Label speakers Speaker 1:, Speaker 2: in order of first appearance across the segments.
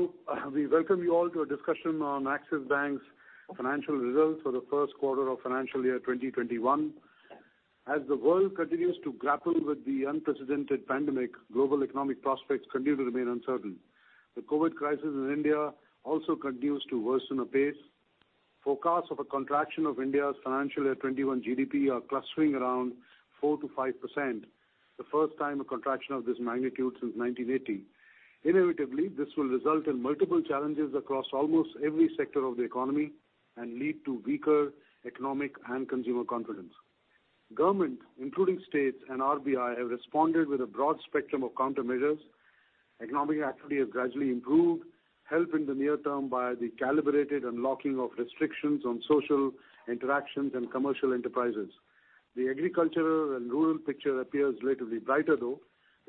Speaker 1: Thank you. We welcome you all to a discussion on Axis Bank's financial results for the first quarter of financial year 2021. As the world continues to grapple with the unprecedented pandemic, global economic prospects continue to remain uncertain. The COVID crisis in India also continues to worsen apace. Forecasts of a contraction of India's financial year 21 GDP are clustering around 4%-5%, the first time a contraction of this magnitude since 1980. Inevitably, this will result in multiple challenges across almost every sector of the economy and lead to weaker economic and consumer confidence. Governments, including states and RBI, have responded with a broad spectrum of countermeasures. Economic activity has gradually improved, helped in the near term by the calibrated unlocking of restrictions on social interactions and commercial enterprises. The agricultural and rural picture appears relatively brighter, though,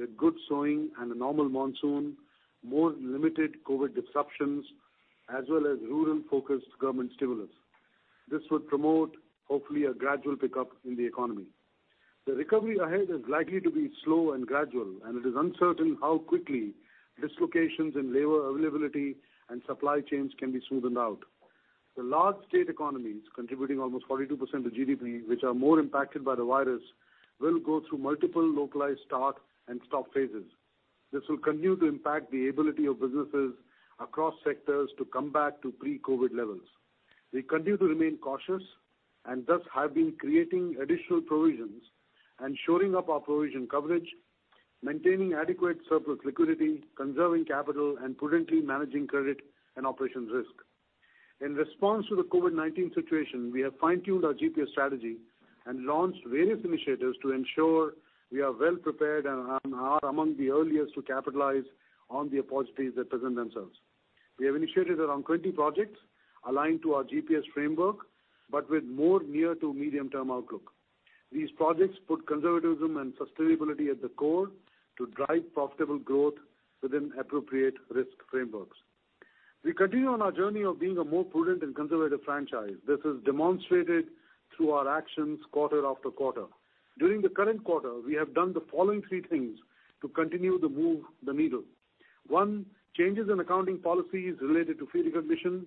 Speaker 1: with good sowing and a normal monsoon, more limited COVID disruptions, as well as rural-focused government stimulus. This would promote, hopefully, a gradual pickup in the economy. The recovery ahead is likely to be slow and gradual, and it is uncertain how quickly dislocations in labor availability and supply chains can be smoothened out. The large state economies, contributing almost 42% of GDP, which are more impacted by the virus, will go through multiple localized start and stop phases. This will continue to impact the ability of businesses across sectors to come back to pre-COVID levels. We continue to remain cautious and thus have been creating additional provisions and shoring up our provision coverage, maintaining adequate surplus liquidity, conserving capital, and prudently managing credit and operations risk. In response to the COVID-19 situation, we have fine-tuned our GPS strategy and launched various initiatives to ensure we are well prepared and are among the earliest to capitalize on the opportunities that present themselves. We have initiated around 20 projects aligned to our GPS framework but with more near-to-medium-term outlook. These projects put conservatism and sustainability at the core to drive profitable growth within appropriate risk frameworks. We continue on our journey of being a more prudent and conservative franchise. This is demonstrated through our actions quarter after quarter. During the current quarter, we have done the following three things to continue to move the needle. One, changes in accounting policies related to fee recognition.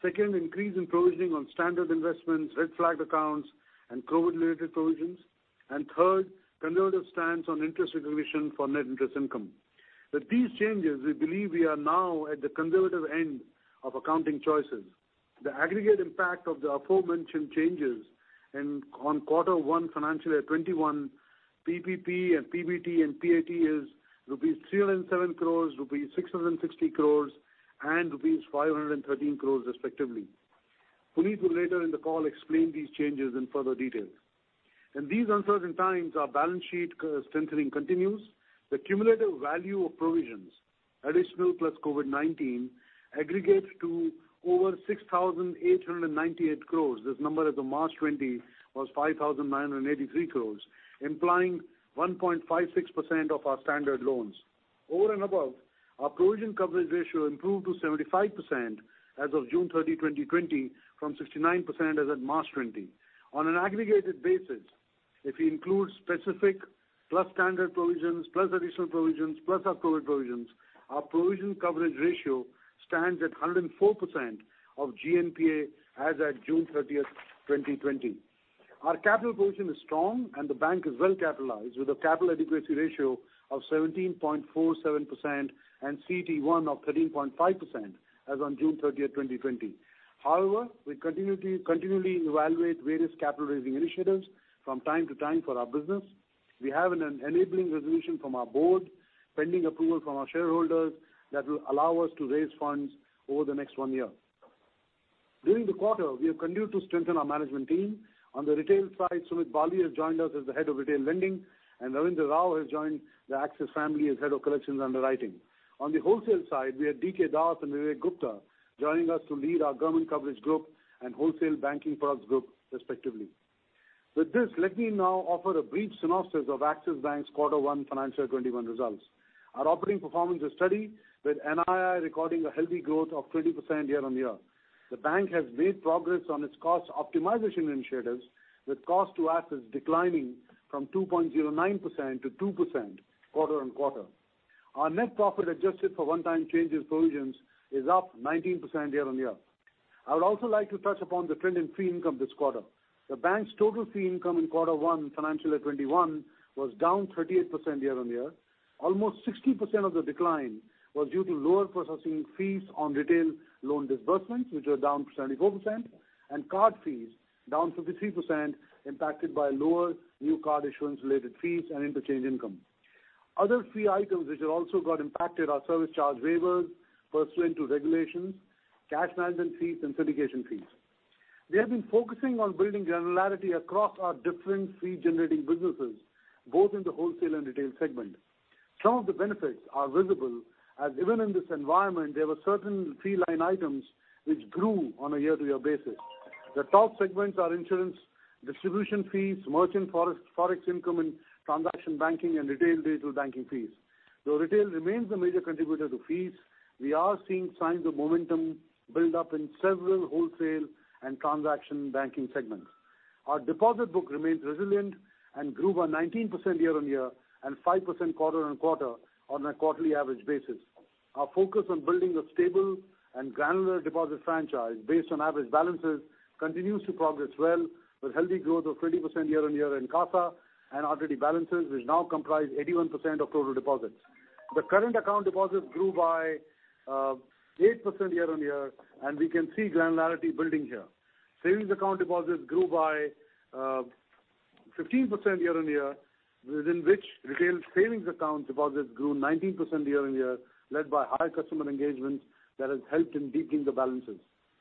Speaker 1: Second, increase in provisioning on standard investments, red flag accounts, and COVID-related provisions. And third, conservative stance on interest recognition for net interest income. With these changes, we believe we are now at the conservative end of accounting choices. The aggregate impact of the aforementioned changes on quarter one financial year 2021, PPP and PBT and PAT is rupees 307 crores, rupees 660 crores, and rupees 513 crores, respectively. Puneet will later in the call explain these changes in further detail. In these uncertain times, our balance sheet strengthening continues. The cumulative value of provisions, additional plus COVID-19, aggregates to over 6,898 crores. This number, as of March 20, was 5,983 crores, implying 1.56% of our standard loans. Over and above, our provision coverage ratio improved to 75% as of June 30, 2020, from 69% as of March 20. On an aggregated basis, if we include specific plus standard provisions plus additional provisions plus our COVID provisions, our provision coverage ratio stands at 104% of GNPA as of June 30, 2020. Our capital provision is strong, and the bank is well capitalized with a capital adequacy ratio of 17.47% and CET1 of 13.5% as on June 30, 2020. However, we continually evaluate various capital raising initiatives from time to time for our business. We have an enabling resolution from our board, pending approval from our shareholders, that will allow us to raise funds over the next one year. During the quarter, we have continued to strengthen our management team. On the retail side, Sumit Bali has joined us as the head of retail lending, and Ravindra Rao has joined the Axis family as head of collections underwriting. On the wholesale side, we have D.K. Dash and Vivek Gupta joining us to lead our government coverage group and wholesale banking products group, respectively. With this, let me now offer a brief synopsis of Axis Bank's quarter one financial year 2021 results. Our operating performance is steady, with NII recording a healthy growth of 20% year-on-year. The bank has made progress on its cost optimization initiatives, with cost to assets declining from 2.09% to 2% quarter-on-quarter. Our net profit adjusted for one-time changes provisions is up 19% year-on-year. I would also like to touch upon the trend in fee income this quarter. The bank's total fee income in quarter one financial year 2021 was down 38% year-on-year. Almost 60% of the decline was due to lower processing fees on retail loan disbursements, which are down 74%, and card fees, down 53%, impacted by lower new card issuance-related fees and interchange income. Other fee items, which have also got impacted, are service charge waivers pursuant to regulations, cash management fees, and syndication fees. We have been focusing on building granularity across our different fee-generating businesses, both in the wholesale and retail segment. Some of the benefits are visible, as even in this environment, there were certain fee line items which grew on a year-to-year basis. The top segments are insurance distribution fees, merchant forex income, and transaction banking and retail digital banking fees. Though retail remains a major contributor to fees, we are seeing signs of momentum build up in several wholesale and transaction banking segments. Our deposit book remains resilient and grew by 19% year-on-year and 5% quarter-on-quarter on a quarterly average basis. Our focus on building a stable and granular deposit franchise based on average balances continues to progress well, with healthy growth of 20% year-on-year in CASA and RTD balances, which now comprise 81% of total deposits. The current account deposits grew by 8% year-on-year, and we can see granularity building here. Savings account deposits grew by 15% year-on-year, within which retail savings account deposits grew 19% year-on-year, led by high customer engagement that has helped in deepening the balances.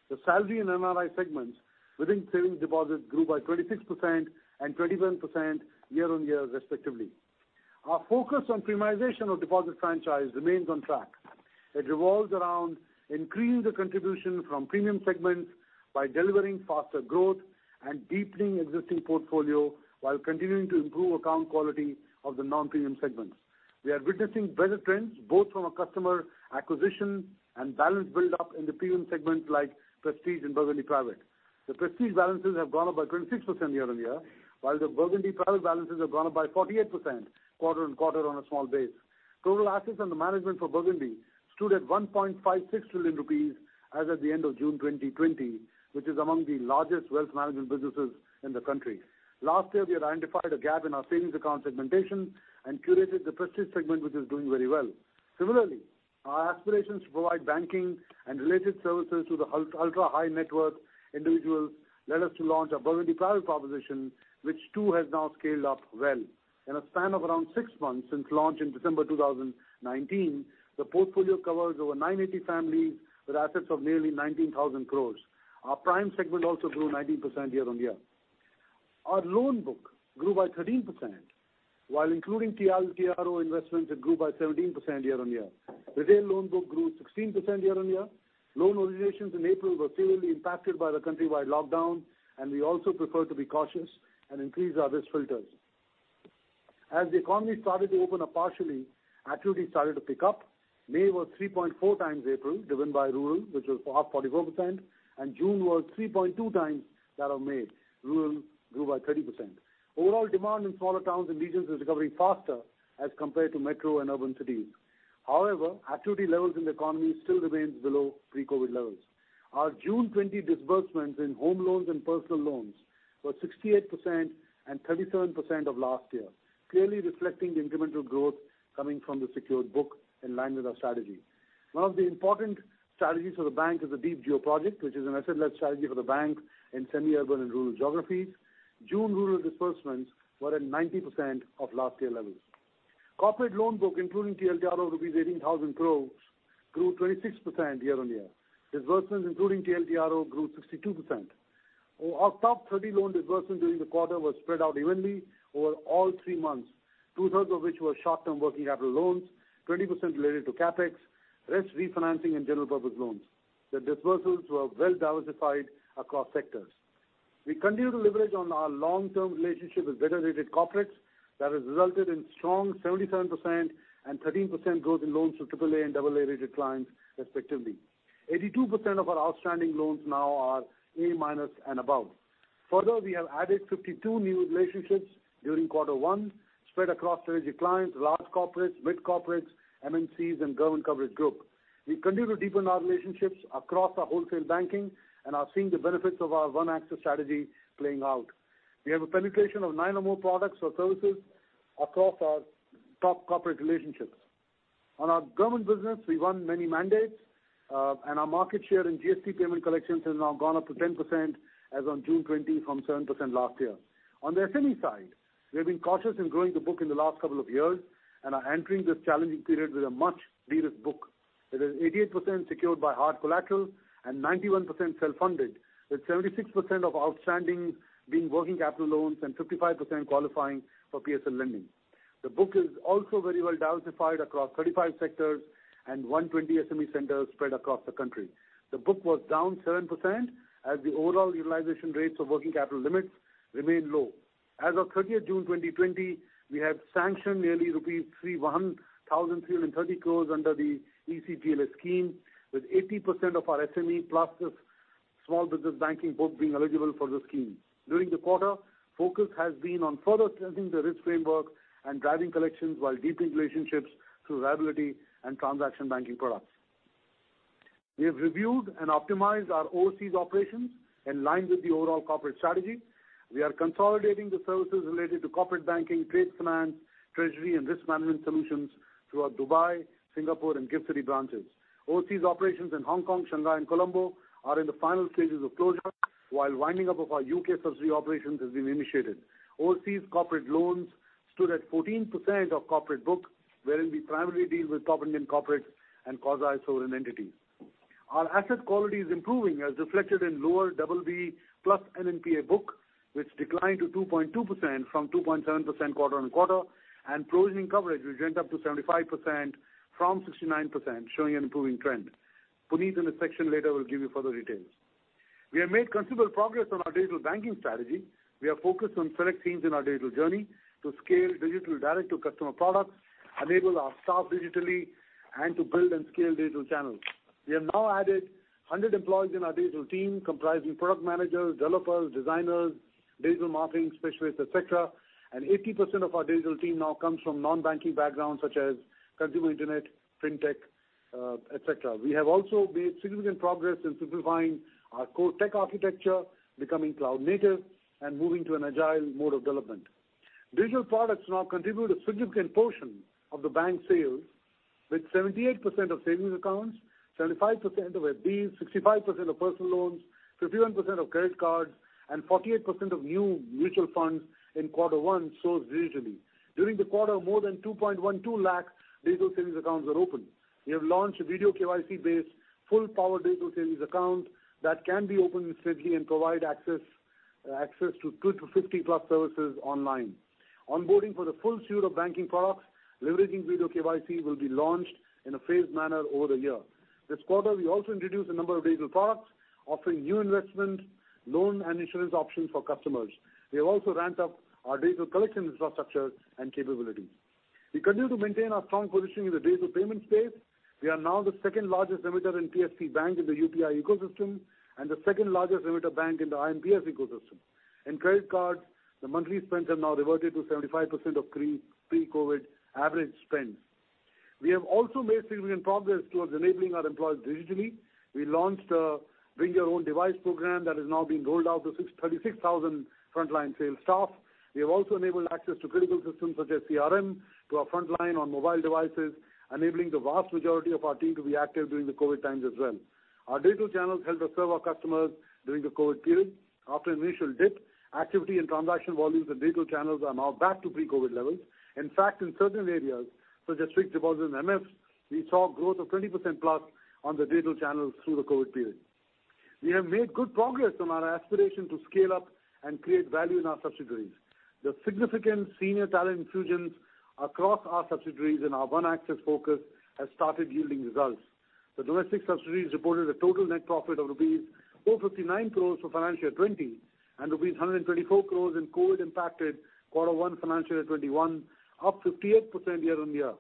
Speaker 1: The salary and NRI segments within savings deposits grew by 26% and 27% year-on-year, respectively. Our focus on premiumization of deposit franchise remains on track. It revolves around increasing the contribution from premium segments by delivering faster growth and deepening existing portfolio while continuing to improve account quality of the non-premium segments. We are witnessing better trends, both from a customer acquisition and balance build up in the premium segments like Prestige and Burgundy Private. The Prestige balances have gone up by 26% year-on-year, while the Burgundy Private balances have gone up by 48% quarter-on-quarter on a small base. Total assets under management for Burgundy stood at 1.56 trillion rupees as of the end of June 2020, which is among the largest wealth management businesses in the country. Last year, we identified a gap in our savings account segmentation and curated the Prestige segment, which is doing very well. Similarly, our aspirations to provide banking and related services to the ultra-high net worth individuals led us to launch a Burgundy Private proposition, which too has now scaled up well. In a span of around six months since launch in December 2019, the portfolio covers over 980 families with assets of nearly 19,000 crore. Our Prime segment also grew 19% year-on-year. Our loan book grew by 13%, while including TLTRO investments, it grew by 17% year-on-year. Retail loan book grew 16% year-on-year. Loan originations in April were severely impacted by the countrywide lockdown, and we also prefer to be cautious and increase our risk filters. As the economy started to open up partially, activity started to pick up. May was 3.4 times April, driven by rural, which was off 44%, and June was 3.2 times that of May. Rural grew by 30%. Overall demand in smaller towns and regions is recovering faster as compared to metro and urban cities. However, activity levels in the economy still remain below pre-COVID levels. Our June 2020 disbursements in home loans and personal loans were 68% and 37% of last year, clearly reflecting the incremental growth coming from the secured book in line with our strategy. One of the important strategies for the bank is the Deep Geo project, which is an asset-led strategy for the bank in semi-urban and rural geographies. June rural disbursements were at 90% of last year levels. Corporate loan book, including TLTRO INR 18,000 crore, grew 26% year-on-year. Disbursements, including TLTRO, grew 62%. Our top 30 loan disbursements during the quarter were spread out evenly over all 3 months, two-thirds of which were short-term working capital loans, 20% related to CapEx, rest refinancing, and general purpose loans. The disbursements were well diversified across sectors. We continue to leverage on our long-term relationship with better rated corporates that has resulted in strong 77% and 13% growth in loans to AAA and AA rated clients, respectively. 82% of our outstanding loans now are A minus and above. Further, we have added 52 new relationships during quarter one, spread across strategic clients, large corporates, mid-corporates, MNCs, and government coverage group. We continue to deepen our relationships across our wholesale banking and are seeing the benefits of our One Axis strategy playing out. We have a penetration of 9 or more products or services across our top corporate relationships. On our government business, we won many mandates, and our market share in GST payment collections has now gone up to 10% as on June 20 from 7% last year. On the SME side, we have been cautious in growing the book in the last couple of years and are entering this challenging period with a much deeper book. It is 88% secured by hard collateral and 91% self-funded, with 76% of outstanding being working capital loans and 55% qualifying for PSL lending. The book is also very well diversified across 35 sectors and 120 SME centers spread across the country. The book was down 7% as the overall utilization rates of working capital limits remain low. As of 30 June 2020, we have sanctioned nearly rupees 3,133 crore under the ECLGS scheme, with 80% of our SME plus this small business banking book being eligible for the scheme. During the quarter, focus has been on further strengthening the risk framework and driving collections while deepening relationships through liability and transaction banking products. We have reviewed and optimized our overseas operations in line with the overall corporate strategy. We are consolidating the services related to corporate banking, trade finance, treasury, and risk management solutions through our Dubai, Singapore, and GIFT City branches. Overseas operations in Hong Kong, Shanghai, and Colombo are in the final stages of closure, while winding up of our UK subsidiary operations has been initiated. Overseas corporate loans stood at 14% of corporate book, wherein we primarily deal with top Indian corporates and quasi-sovereign entities. Our asset quality is improving, as reflected in lower BB+ and below NPA book, which declined to 2.2% from 2.7% quarter-on-quarter, and provisioning coverage has risen to 75% from 69%, showing an improving trend. Puneet, in a section later, will give you further details. We have made considerable progress on our digital banking strategy. We have focused on select teams in our digital journey to scale digital direct-to-customer products, enable our staff digitally, and to build and scale digital channels. We have now added 100 employees in our digital team, comprising product managers, developers, designers, digital marketing specialists, etc., and 80% of our digital team now comes from non-banking backgrounds such as consumer internet, fintech, etc. We have also made significant progress in simplifying our core tech architecture, becoming cloud-native, and moving to an agile mode of development. Digital products now contribute a significant portion of the bank sales, with 78% of savings accounts, 75% of FDs, 65% of personal loans, 51% of credit cards, and 48% of new mutual funds in quarter one sourced digitally. During the quarter, more than 212,000 digital savings accounts were open. We have launched a Video KYC-based full-powered digital savings account that can be opened safely and provide access to 2 to 50+ services online. Onboarding for the full suite of banking products, leveraging Video KYC, will be launched in a phased manner over the year. This quarter, we also introduced a number of digital products, offering new investment, loan, and insurance options for customers. We have also ramped up our digital collection infrastructure and capabilities. We continue to maintain our strong positioning in the digital payment space. We are now the second-largest remitter in PSP Bank in the UPI ecosystem and the second-largest remitter bank in the IMPS ecosystem. In credit cards, the monthly spends have now reverted to 75% of pre-COVID average spends. We have also made significant progress towards enabling our employees digitally. We launched a Bring Your Own Device program that has now been rolled out to 36,000 frontline sales staff. We have also enabled access to critical systems such as CRM to our frontline on mobile devices, enabling the vast majority of our team to be active during the COVID times as well. Our digital channels helped us serve our customers during the COVID period. After an initial dip, activity and transaction volumes in digital channels are now back to pre-COVID levels. In fact, in certain areas such as fixed deposits and MFs, we saw growth of 20%+ on the digital channels through the COVID period. We have made good progress on our aspiration to scale up and create value in our subsidiaries. The significant senior talent infusions across our subsidiaries and our One Axis focus have started yielding results. The domestic subsidiaries reported a total net profit of rupees 459 crore for financial year 2020 and rupees 124 crore in COVID-impacted quarter one financial year 2021, up 58% year-on-year.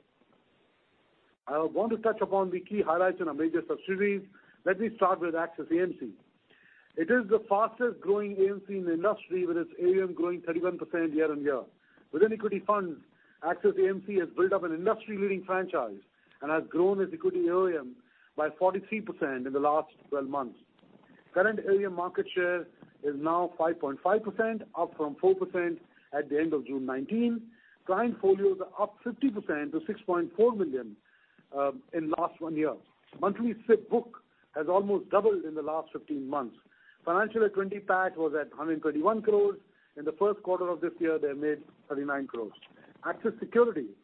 Speaker 1: I want to touch upon the key highlights in our major subsidiaries. Let me start with Axis AMC. It is the fastest-growing AMC in the industry, with its AUM growing 31% year-on-year. Within equity funds, Axis AMC has built up an industry-leading franchise and has grown its AUM by 43% in the last 12 months. Current AUM market share is now 5.5%, up from 4% at the end of June 2019. Client folios are up 50% to 6.4 million in the last one year. Monthly SIP book has almost doubled in the last 15 months. Financial year 2020 PAT was at 121 crore. In the first quarter of this year, they made 39 crore. Axis Securities,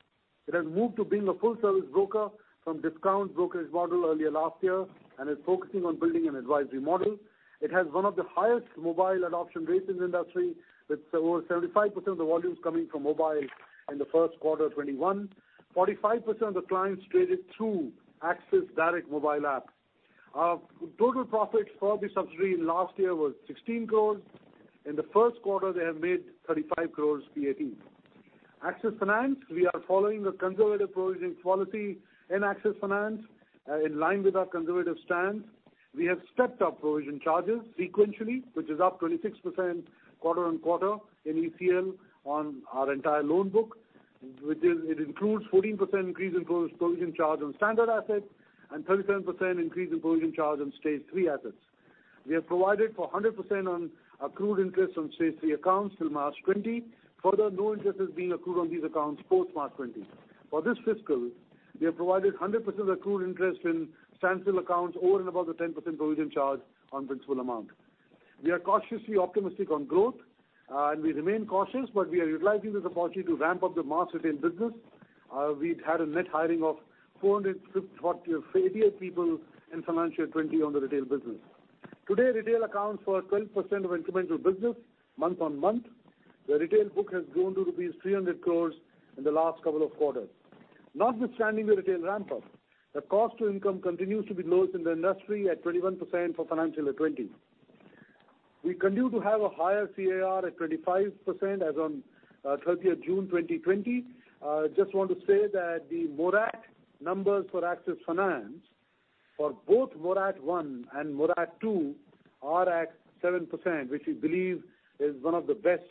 Speaker 1: it has moved to being a full-service broker from discount brokerage model earlier last year and is focusing on building an advisory model. It has one of the highest mobile adoption rates in the industry, with over 75% of the volumes coming from mobile in the first quarter of 2021. 45% of the clients traded through Axis Direct mobile apps. Our total profit for the subsidiary last year was 16 crore. In the first quarter, they have made 35 crore PAT. Axis Finance, we are following a conservative provisioning policy in Axis Finance in line with our conservative stance. We have stepped up provision charges sequentially, which is up 26% quarter-on-quarter in ECL on our entire loan book, which includes a 14% increase in provision charge on standard assets and a 37% increase in provision charge on stage three assets. We have provided for 100% on accrued interest on stage three accounts till March 20. Further, no interest is being accrued on these accounts post March 20. For this fiscal, we have provided 100% accrued interest in stressed accounts over and above the 10% provision charge on principal amount. We are cautiously optimistic on growth, and we remain cautious, but we are utilizing this opportunity to ramp up the mass retail business. We had a net hiring of 488 people in financial year 2020 on the retail business. Today, retail accounts were 12% of incremental business month-on-month. The retail book has grown to rupees 300 crore in the last couple of quarters. Notwithstanding the retail ramp-up, the cost-to-income continues to be lowest in the industry at 21% for financial year 2020. We continue to have a higher CAR at 25% as on 30 June 2020. I just want to say that the morat numbers for Axis Finance, for both morat 1 and morat 2, are at 7%, which we believe is one of the best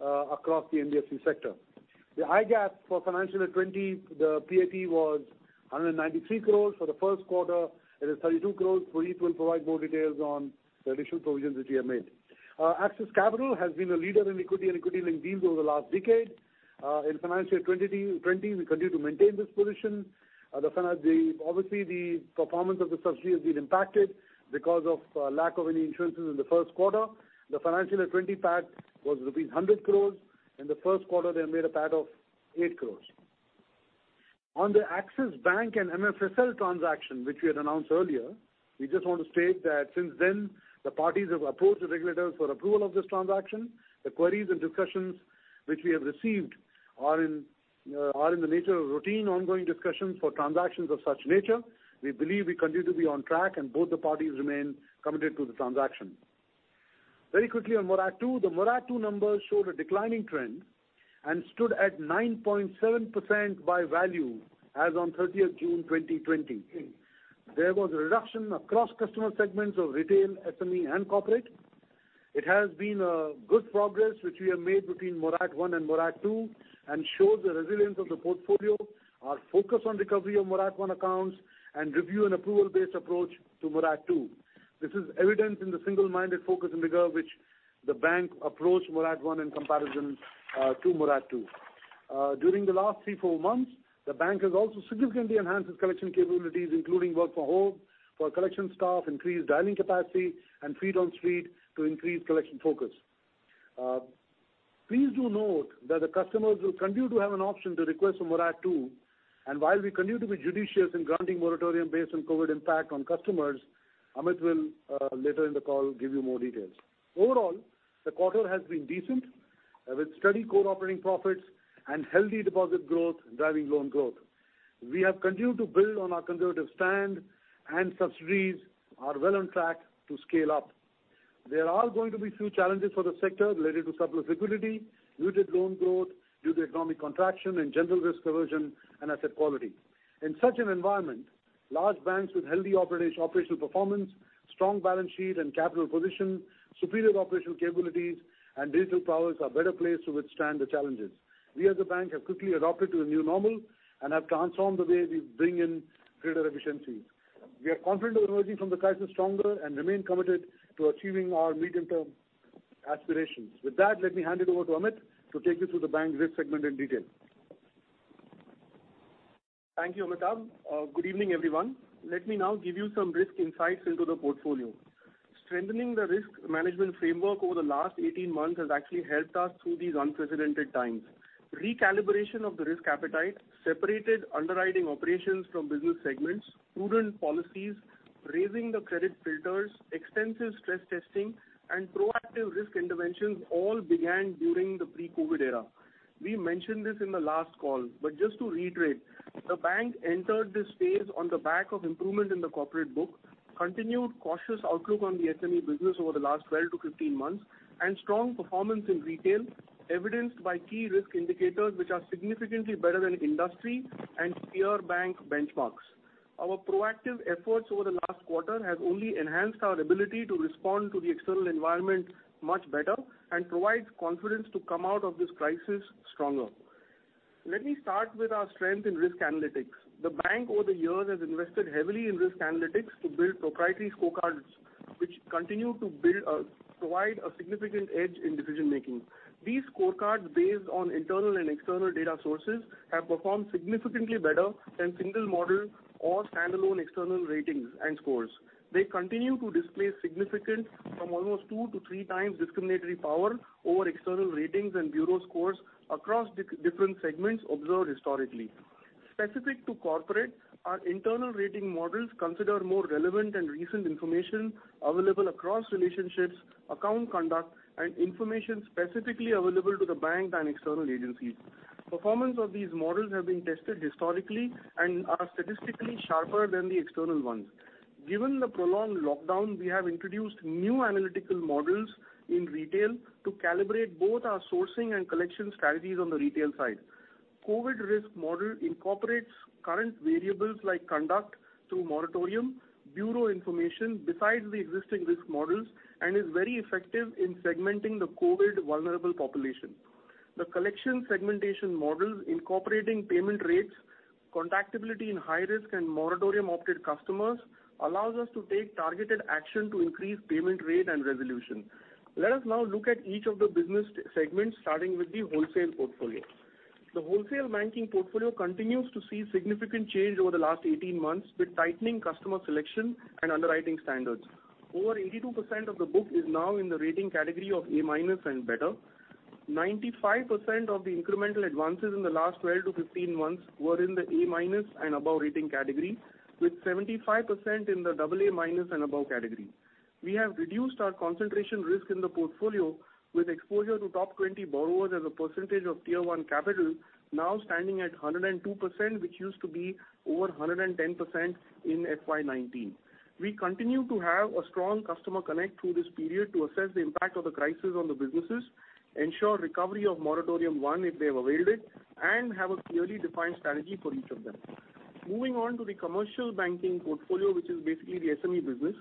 Speaker 1: across the NBFC sector. The IGAAP for financial year 2020, the PAT was 193 crore for the first quarter. It is 32 crore. Puneet will provide more details on the additional provisions that we have made. Axis Capital has been a leader in equity and equity lending deals over the last decade. In financial year 2020, we continue to maintain this position. Obviously, the performance of the subsidiary has been impacted because of lack of any issuances in the first quarter. The financial year 2020 PAT was rupees 100 crore. In the first quarter, they made a PAT of 8 crore. On the Axis Bank and MFSL transaction, which we had announced earlier, we just want to state that since then, the parties have approached the regulators for approval of this transaction. The queries and discussions which we have received are in the nature of routine ongoing discussions for transactions of such nature. We believe we continue to be on track, and both the parties remain committed to the transaction. Very quickly on moratorium 2, the moratorium 2 numbers showed a declining trend and stood at 9.7% by value as on 30 June 2020. There was a reduction across customer segments of retail, SME, and corporate. It has been good progress which we have made between moratorium 1 and moratorium 2 and shows the resilience of the portfolio, our focus on recovery of moratorium 1 accounts, and review and approval-based approach to moratorium 2. This is evident in the single-minded focus and rigor with which the bank approached moratorium 1 in comparison to moratorium 2. During the last three, four months, the bank has also significantly enhanced its collection capabilities, including work from home for collection staff, increased dialing capacity, and feet-on-street to increase collection focus. Please do note that the customers will continue to have an option to request a Morat 2. While we continue to be judicious in granting moratorium-based and COVID impact on customers, Amit will, later in the call, give you more details. Overall, the quarter has been decent, with steady core operating profits and healthy deposit growth driving loan growth. We have continued to build on our conservative stand, and subsidiaries are well on track to scale up. There are going to be few challenges for the sector related to surplus liquidity, muted loan growth due to economic contraction, and general risk aversion and asset quality. In such an environment, large banks with healthy operational performance, strong balance sheet and capital position, superior operational capabilities, and digital powers are better placed to withstand the challenges. We as a bank have quickly adapted to the new normal and have transformed the way we bring in greater efficiencies. We are confident of emerging from the crisis stronger and remain committed to achieving our medium-term aspirations. With that, let me hand it over to Amit to take you through the bank's risk segment in detail.
Speaker 2: Thank you, Amitabh. Good evening, everyone. Let me now give you some risk insights into the portfolio. Strengthening the risk management framework over the last 18 months has actually helped us through these unprecedented times. Recalibration of the risk appetite, separated underwriting operations from business segments, prudent policies, raising the credit filters, extensive stress testing, and proactive risk interventions all began during the pre-COVID era. We mentioned this in the last call, but just to reiterate, the bank entered this phase on the back of improvement in the corporate book, continued cautious outlook on the SME business over the last 12-15 months, and strong performance in retail evidenced by key risk indicators which are significantly better than industry and peer bank benchmarks. Our proactive efforts over the last quarter have only enhanced our ability to respond to the external environment much better and provide confidence to come out of this crisis stronger. Let me start with our strength in risk analytics. The bank, over the years, has invested heavily in risk analytics to build proprietary scorecards, which continue to provide a significant edge in decision-making. These scorecards, based on internal and external data sources, have performed significantly better than single-model or standalone external ratings and scores. They continue to display significant discriminatory power from almost 2-3 times over external ratings and bureau scores across different segments observed historically. Specific to corporate, our internal rating models consider more relevant and recent information available across relationships, account conduct, and information specifically available to the bank than external agencies. Performance of these models has been tested historically and is statistically sharper than the external ones. Given the prolonged lockdown, we have introduced new analytical models in retail to calibrate both our sourcing and collection strategies on the retail side. The COVID risk model incorporates current variables like conduct through moratorium, bureau information besides the existing risk models, and is very effective in segmenting the COVID vulnerable population. The collection segmentation models incorporating payment rates, conduct ability in high risk, and moratorium-opted customers allow us to take targeted action to increase payment rate and resolution. Let us now look at each of the business segments, starting with the wholesale portfolio. The wholesale banking portfolio continues to see significant change over the last 18 months with tightening customer selection and underwriting standards. Over 82% of the book is now in the rating category of A- and better. 95% of the incremental advances in the last 12-15 months were in the A- and above rating category, with 75% in the AA- and above category. We have reduced our concentration risk in the portfolio with exposure to top 20 borrowers as a percentage of tier one capital, now standing at 102%, which used to be over 110% in FY19. We continue to have a strong customer connect through this period to assess the impact of the crisis on the businesses, ensure recovery of moratorium 1 if they have availed it, and have a clearly defined strategy for each of them. Moving on to the commercial banking portfolio, which is basically the SME business,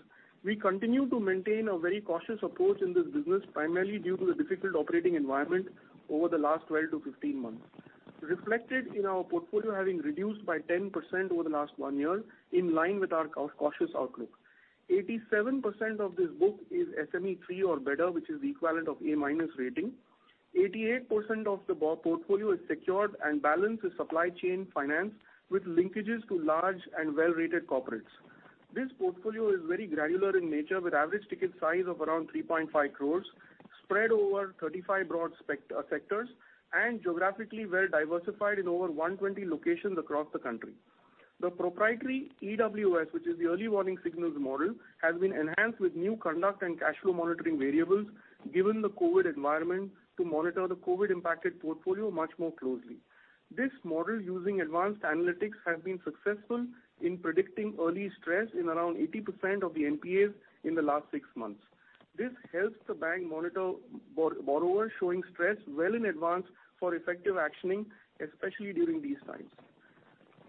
Speaker 2: we continue to maintain a very cautious approach in this business primarily due to the difficult operating environment over the last 12-15 months, reflected in our portfolio having reduced by 10% over the last 1 year in line with our cautious outlook. 87% of this book is SME 3 or better, which is the equivalent of A- rating. 88% of the portfolio is secured, and balance is supply chain finance with linkages to large and well-rated corporates. This portfolio is very granular in nature, with average ticket size of around 3.5 crore, spread over 35 broad sectors, and geographically well-diversified in over 120 locations across the country. The proprietary EWS, which is the early warning signals model, has been enhanced with new conduct and cash flow monitoring variables given the COVID environment to monitor the COVID-impacted portfolio much more closely. This model using advanced analytics has been successful in predicting early stress in around 80% of the NPAs in the last six months. This helps the bank monitor borrowers showing stress well in advance for effective actioning, especially during these times.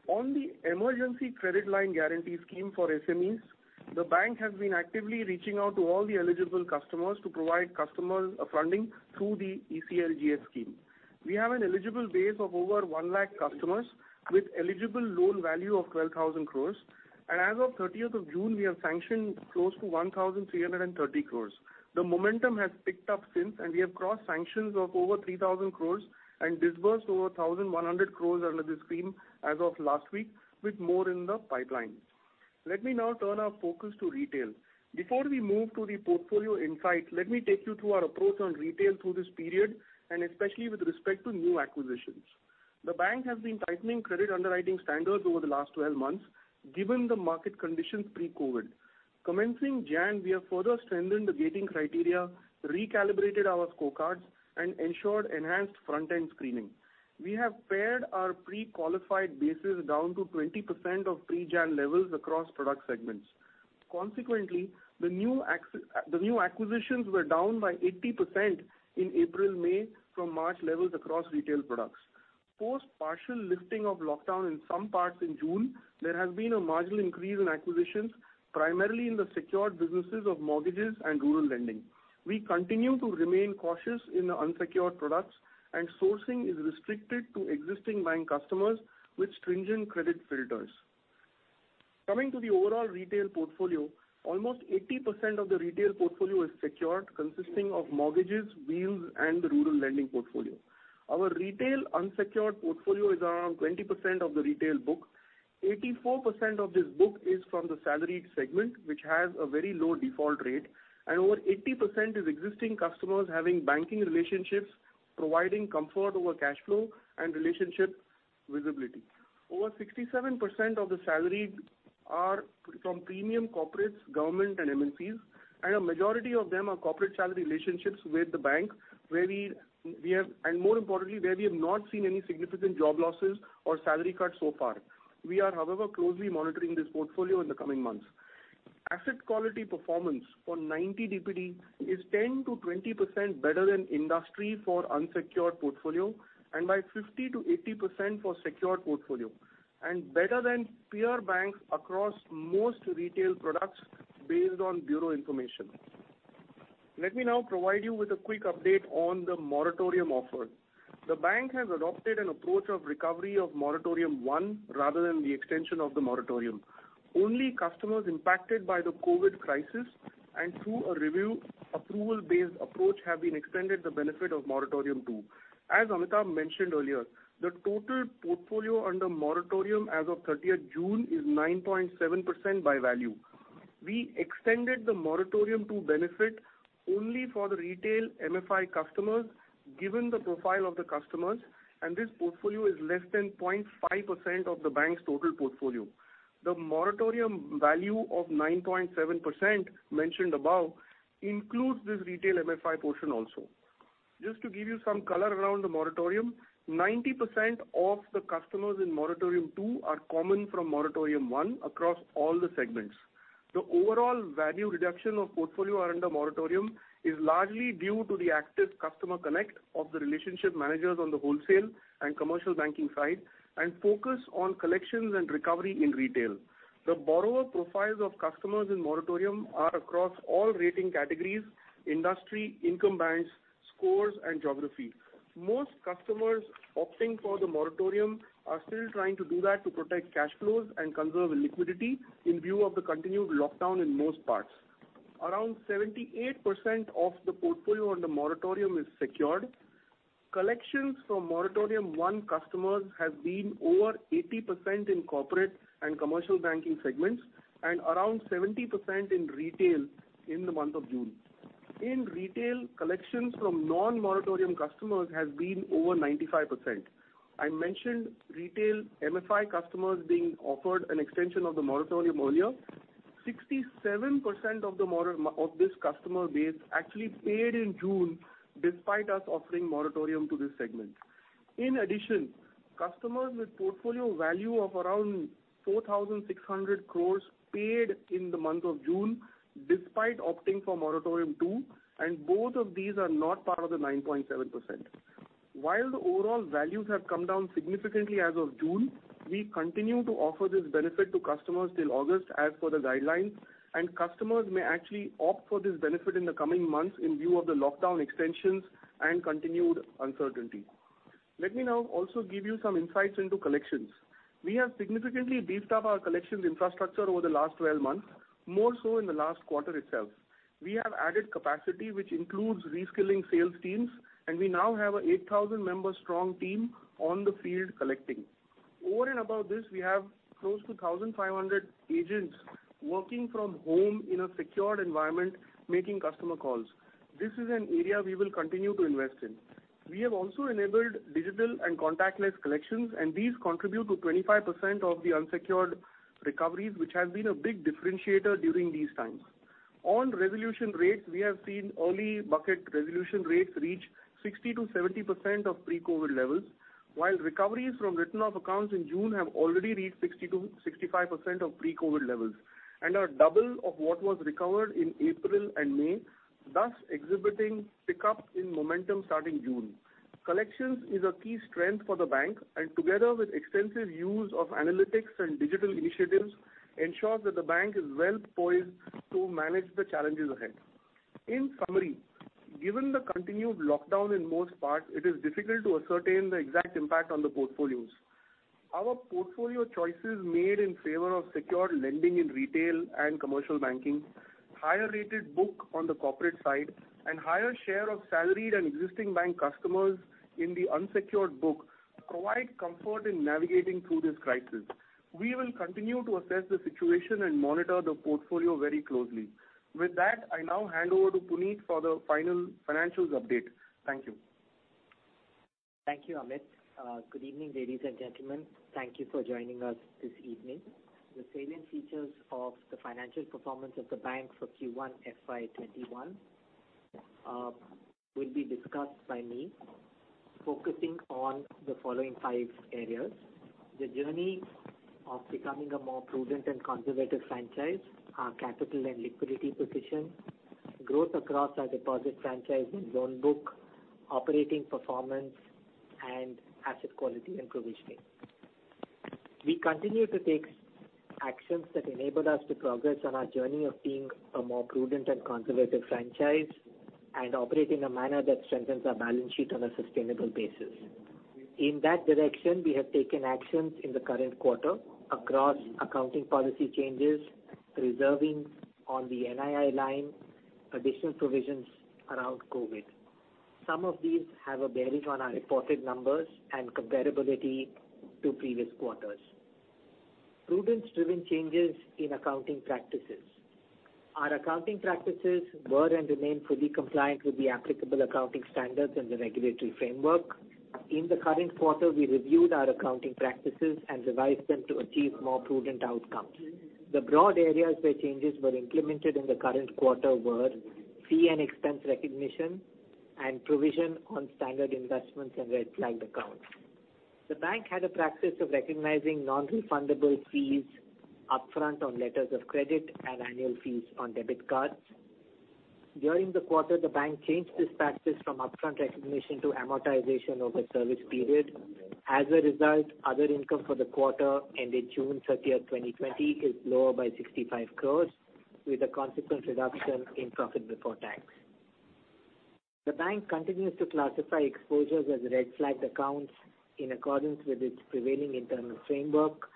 Speaker 2: On the emergency credit line guarantee scheme for SMEs, the bank has been actively reaching out to all the eligible customers to provide customer funding through the ECLGS scheme. We have an eligible base of over 1,000,000 customers with eligible loan value of 12,000 crore. As of 30 June, we have sanctioned close to 1,330 crore. The momentum has picked up since, and we have crossed sanctions of over 3,000 crore and disbursed over 1,100 crore under this scheme as of last week, with more in the pipeline. Let me now turn our focus to retail. Before we move to the portfolio insights, let me take you through our approach on retail through this period, and especially with respect to new acquisitions. The bank has been tightening credit underwriting standards over the last 12 months given the market conditions pre-COVID. Commencing January, we have further strengthened the gating criteria, recalibrated our scorecards, and ensured enhanced front-end screening. We have pared our pre-qualified bases down to 20% of pre-January levels across product segments. Consequently, the new acquisitions were down by 80% in April, May, from March levels across retail products. Post partial lifting of lockdown in some parts in June, there has been a marginal increase in acquisitions, primarily in the secured businesses of mortgages and rural lending. We continue to remain cautious in the unsecured products, and sourcing is restricted to existing bank customers with stringent credit filters. Coming to the overall retail portfolio, almost 80% of the retail portfolio is secured, consisting of mortgages, wheels, and the rural lending portfolio. Our retail unsecured portfolio is around 20% of the retail book. 84% of this book is from the salaried segment, which has a very low default rate, and over 80% is existing customers having banking relationships providing comfort over cash flow and relationship visibility. Over 67% of the salaried are from premium corporates, government, and MNCs, and a majority of them are corporate salary relationships with the bank, and more importantly, where we have not seen any significant job losses or salary cuts so far. We are, however, closely monitoring this portfolio in the coming months. Asset quality performance for 90 DPD is 10%-20% better than industry for unsecured portfolio and by 50%-80% for secured portfolio, and better than peer banks across most retail products based on bureau information. Let me now provide you with a quick update on the moratorium offer. The bank has adopted an approach of recovery of moratorium 1 rather than the extension of the moratorium. Only customers impacted by the COVID crisis and through a review approval-based approach have been extended the benefit of moratorium 2. As Amitabh mentioned earlier, the total portfolio under moratorium as of 30 June is 9.7% by value. We extended the moratorium 2 benefit only for the retail MFI customers given the profile of the customers, and this portfolio is less than 0.5% of the bank's total portfolio. The moratorium value of 9.7% mentioned above includes this retail MFI portion also. Just to give you some color around the moratorium, 90% of the customers in moratorium 2 are common from moratorium 1 across all the segments. The overall value reduction of portfolio under moratorium is largely due to the active customer connect of the relationship managers on the wholesale and commercial banking side and focus on collections and recovery in retail. The borrower profiles of customers in moratorium are across all rating categories, industry, income bands, scores, and geography. Most customers opting for the moratorium are still trying to do that to protect cash flows and conserve liquidity in view of the continued lockdown in most parts. Around 78% of the portfolio under moratorium is secured. Collections from moratorium 1 customers have been over 80% in corporate and commercial banking segments and around 70% in retail in the month of June. In retail, collections from non-moratorium customers have been over 95%. I mentioned retail MFI customers being offered an extension of the moratorium earlier. 67% of this customer base actually paid in June despite us offering moratorium to this segment. In addition, customers with portfolio value of around 4,600 crore paid in the month of June despite opting for moratorium 2, and both of these are not part of the 9.7%. While the overall values have come down significantly as of June, we continue to offer this benefit to customers till August as per the guidelines, and customers may actually opt for this benefit in the coming months in view of the lockdown extensions and continued uncertainty. Let me now also give you some insights into collections. We have significantly beefed up our collections infrastructure over the last 12 months, more so in the last quarter itself. We have added capacity, which includes reskilling sales teams, and we now have an 8,000-member strong team on the field collecting. Over and above this, we have close to 1,500 agents working from home in a secured environment making customer calls. This is an area we will continue to invest in. We have also enabled digital and contactless collections, and these contribute to 25% of the unsecured recoveries, which has been a big differentiator during these times. On resolution rates, we have seen early bucket resolution rates reach 60%-70% of pre-COVID levels, while recoveries from written-off accounts in June have already reached 60%-65% of pre-COVID levels and are double of what was recovered in April and May, thus exhibiting pickup in momentum starting June. Collections is a key strength for the bank, and together with extensive use of analytics and digital initiatives, ensures that the bank is well poised to manage the challenges ahead. In summary, given the continued lockdown in most parts, it is difficult to ascertain the exact impact on the portfolios. Our portfolio choices made in favor of secured lending in retail and commercial banking, higher rated book on the corporate side, and higher share of salaried and existing bank customers in the unsecured book provide comfort in navigating through this crisis. We will continue to assess the situation and monitor the portfolio very closely. With that, I now hand over to Puneet for the final financials update. Thank you.
Speaker 3: Thank you, Amit. Good evening, ladies and gentlemen. Thank you for joining us this evening. The salient features of the financial performance of the bank for Q1 FY21 will be discussed by me, focusing on the following five areas: the journey of becoming a more prudent and conservative franchise, our capital and liquidity position, growth across our deposit franchise and loan book, operating performance, and asset quality and provisioning. We continue to take actions that enable us to progress on our journey of being a more prudent and conservative franchise and operate in a manner that strengthens our balance sheet on a sustainable basis. In that direction, we have taken actions in the current quarter across accounting policy changes, reserving on the NII line, additional provisions around COVID. Some of these have a bearing on our reported numbers and comparability to previous quarters. Prudence-driven changes in accounting practices. Our accounting practices were and remain fully compliant with the applicable accounting standards and the regulatory framework. In the current quarter, we reviewed our accounting practices and revised them to achieve more prudent outcomes. The broad areas where changes were implemented in the current quarter were fee and expense recognition and provision on standard investments and red-flagged accounts. The bank had a practice of recognizing non-refundable fees upfront on letters of credit and annual fees on debit cards. During the quarter, the bank changed this practice from upfront recognition to amortization over service period. As a result, other income for the quarter ended June 30, 2020, is lower by 65 crore, with a consequent reduction in profit before tax. The bank continues to classify exposures as red-flagged accounts in accordance with its prevailing internal framework.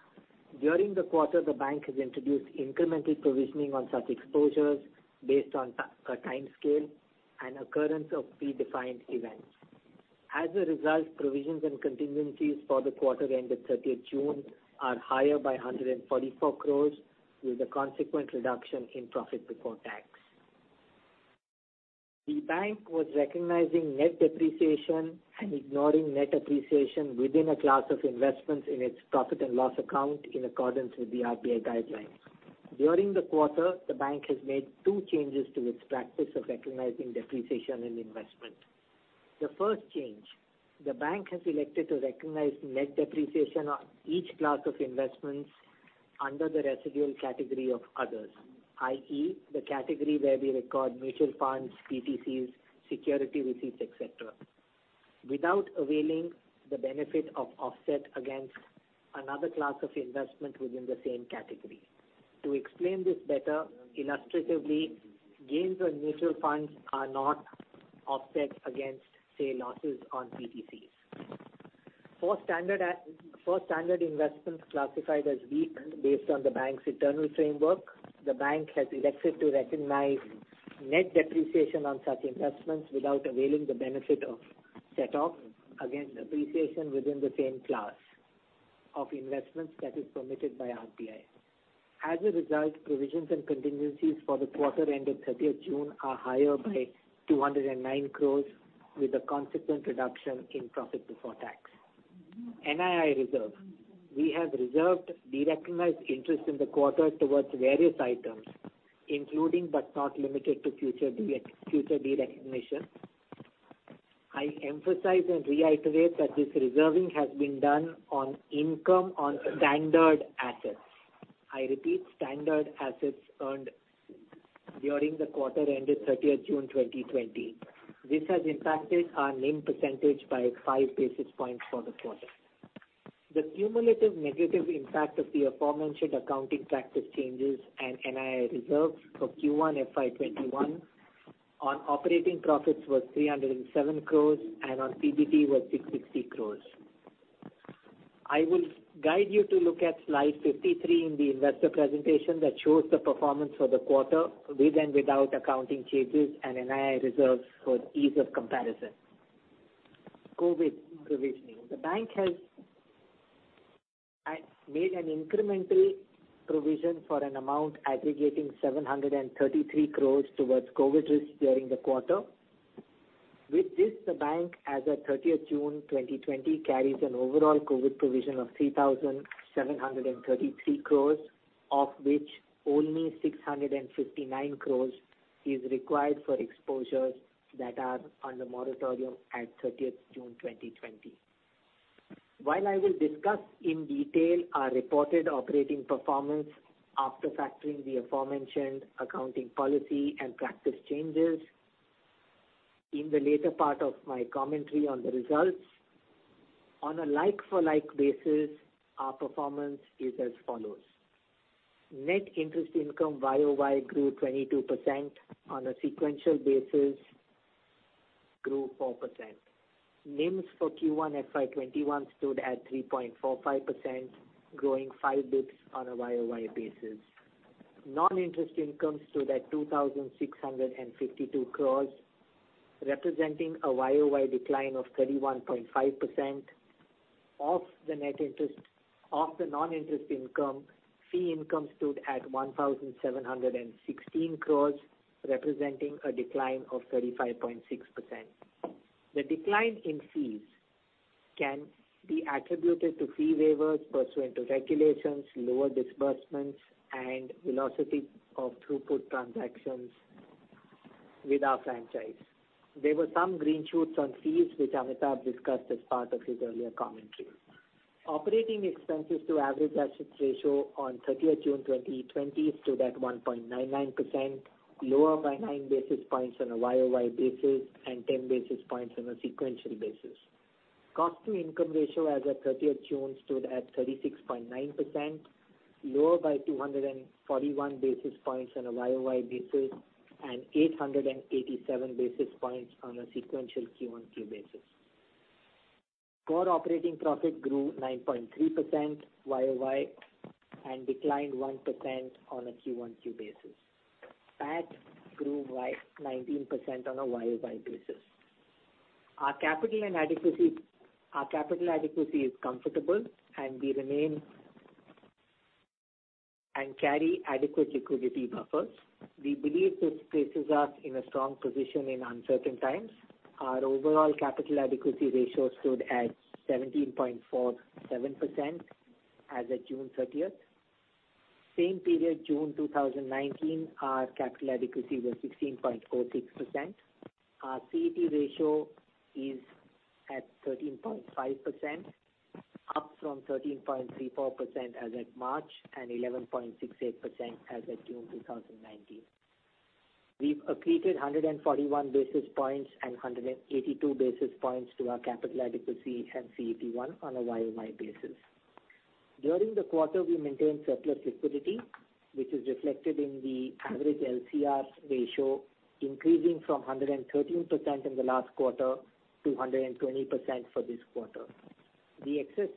Speaker 3: During the quarter, the bank has introduced incremental provisioning on such exposures based on a timescale and occurrence of predefined events. As a result, provisions and contingencies for the quarter ended 30 June are higher by 144 crore, with a consequent reduction in profit before tax. The bank was recognizing net depreciation and ignoring net appreciation within a class of investments in its profit and loss account in accordance with the RBI guidelines. During the quarter, the bank has made two changes to its practice of recognizing depreciation in investments. The first change, the bank has elected to recognize net depreciation on each class of investments under the residual category of others, i.e., the category where we record mutual funds, PTCs, security receipts, etc., without availing the benefit of offset against another class of investment within the same category. To explain this better illustratively, gains on mutual funds are not offset against, say, losses on PTCs. For standard investments classified as weak based on the bank's internal framework, the bank has elected to recognize net depreciation on such investments without availing the benefit of set-off against appreciation within the same class of investments that is permitted by RBI. As a result, provisions and contingencies for the quarter ended 30 June are higher by 209 crore, with a consequent reduction in profit before tax. NII reserve. We have reserved derecognized interest in the quarter towards various items, including but not limited to future derecognition. I emphasize and reiterate that this reserving has been done on income on standard assets. I repeat, standard assets earned during the quarter ended 30 June 2020. This has impacted our NIM percentage by five basis points for the quarter. The cumulative negative impact of the aforementioned accounting practice changes and NII reserves for Q1 FY21 on operating profits was 307 crores and on PBT was 660 crores. I will guide you to look at slide 53 in the investor presentation that shows the performance for the quarter with and without accounting changes and NII reserves for ease of comparison. COVID provisioning. The bank has made an incremental provision for an amount aggregating 733 crores towards COVID risk during the quarter. With this, the bank, as of 30 June 2020, carries an overall COVID provision of 3,733 crores, of which only 659 crores is required for exposures that are under moratorium at 30 June 2020. While I will discuss in detail our reported operating performance after factoring the aforementioned accounting policy and practice changes in the later part of my commentary on the results, on a like-for-like basis, our performance is as follows. Net interest income year-over-year grew 22%. On a sequential basis, grew 4%. NIMs for Q1 FY21 stood at 3.45%, growing 5 basis points on a year-over-year basis. Non-interest income stood at 2,652 crores, representing a year-over-year decline of 31.5%. Of the non-interest income, fee income stood at 1,716 crores, representing a decline of 35.6%. The decline in fees can be attributed to fee waivers pursuant to regulations, lower disbursements, and velocity of throughput transactions with our franchise. There were some green shoots on fees, which Amitabh discussed as part of his earlier commentary. Operating expenses to average asset ratio on 30 June 2020 stood at 1.99%, lower by 9 basis points on a YOY basis and 10 basis points on a sequential basis. Cost-to-income ratio as of 30 June stood at 36.9%, lower by 241 basis points on a YOY basis and 887 basis points on a QoQ basis. Core operating profit grew 9.3% YOY and declined 1% on a QoQ basis. PAT grew by 19% on a YOY basis. Our capital adequacy is comfortable, and we remain and carry adequate liquidity buffers. We believe this places us in a strong position in uncertain times. Our overall capital adequacy ratio stood at 17.47% as of June 30. Same period, June 2019, our capital adequacy was 16.06%. Our CET1 ratio is at 13.5%, up from 13.34% as of March and 11.68% as of June 2019. We've accreted 141 basis points and 182 basis points to our capital adequacy and CET1 on a year-over-year basis. During the quarter, we maintained surplus liquidity, which is reflected in the average LCR ratio increasing from 113% in the last quarter to 120% for this quarter. The excess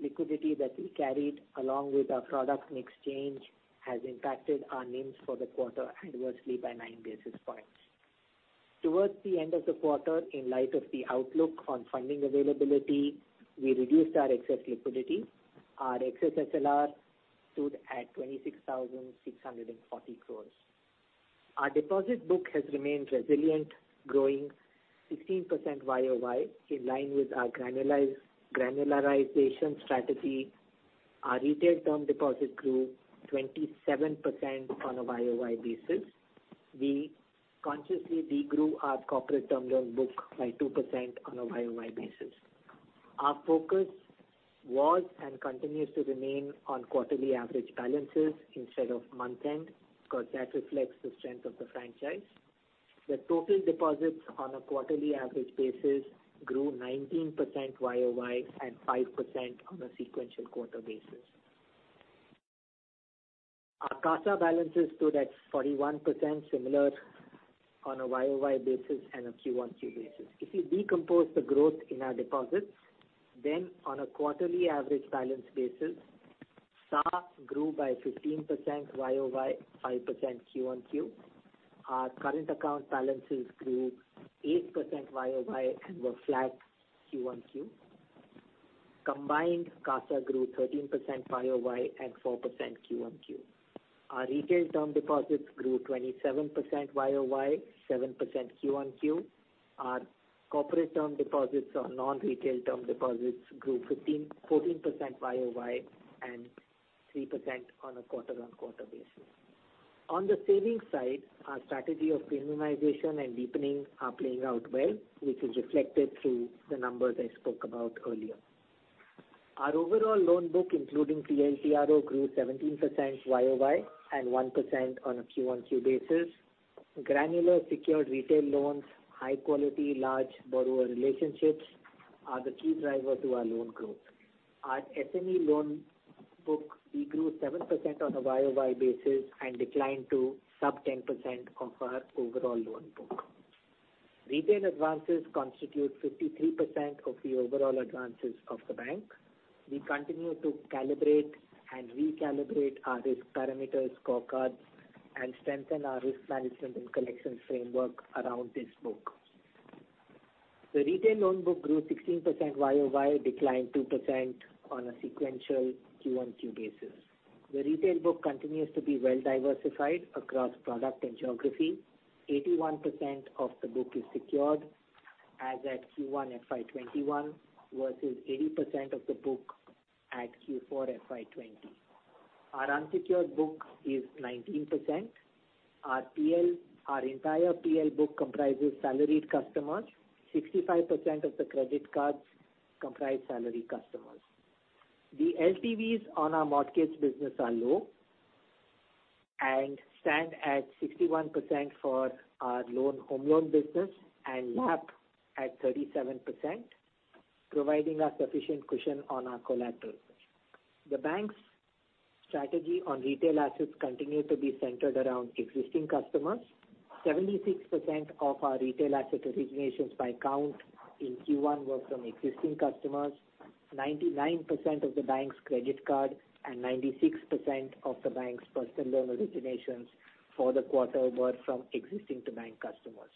Speaker 3: liquidity that we carried along with our product mix change has impacted our NIMs for the quarter adversely by nine basis points. Towards the end of the quarter, in light of the outlook on funding availability, we reduced our excess liquidity. Our excess SLR stood at 26,640 crores. Our deposit book has remained resilient, growing 16% year-over-year in line with our granularization strategy. Our retail term deposit grew 27% on a year-over-year basis. We consciously degrew our corporate term loan book by 2% on a YOY basis. Our focus was and continues to remain on quarterly average balances instead of month-end because that reflects the strength of the franchise. The total deposits on a quarterly average basis grew 19% YOY and 5% on a sequential quarter basis. Our CASA balances stood at 41%, similar on a YOY basis and a QoQ basis. If you decompose the growth in our deposits, then on a quarterly average balance basis, SA grew by 15% YOY, 5% QoQ. Our current account balances grew 8% YOY and were flat QoQ. Combined CASA grew 13% YOY and 4% QoQ. Our retail term deposits grew 27% YOY, 7% QoQ. Our corporate term deposits or non-retail term deposits grew 14% YOY and 3% on a quarter-on-quarter basis. On the savings side, our strategy of premiumization and deepening are playing out well, which is reflected through the numbers I spoke about earlier. Our overall loan book, including TLTRO, grew 17% YOY and 1% on a QoQ basis. Granular secured retail loans, high-quality, large borrower relationships are the key driver to our loan growth. Our SME loan book degrew 7% on a YOY basis and declined to sub-10% of our overall loan book. Retail advances constitute 53% of the overall advances of the bank. We continue to calibrate and recalibrate our risk parameters, scorecards, and strengthen our risk management and collections framework around this book. The retail loan book grew 16% YOY, declined 2% on a sequential QoQ basis. The retail book continues to be well diversified across product and geography. 81% of the book is secured as at Q1 FY21 versus 80% of the book at Q4 FY20. Our unsecured book is 19%. Our entire PL book comprises salaried customers. 65% of the credit cards comprise salaried customers. The LTVs on our mortgage business are low and stand at 61% for our home loan business and LAP at 37%, providing a sufficient cushion on our collateral. The bank's strategy on retail assets continues to be centered around existing customers. 76% of our retail asset originations by count in Q1 were from existing customers. 99% of the bank's credit card and 96% of the bank's personal loan originations for the quarter were from existing-to-bank customers.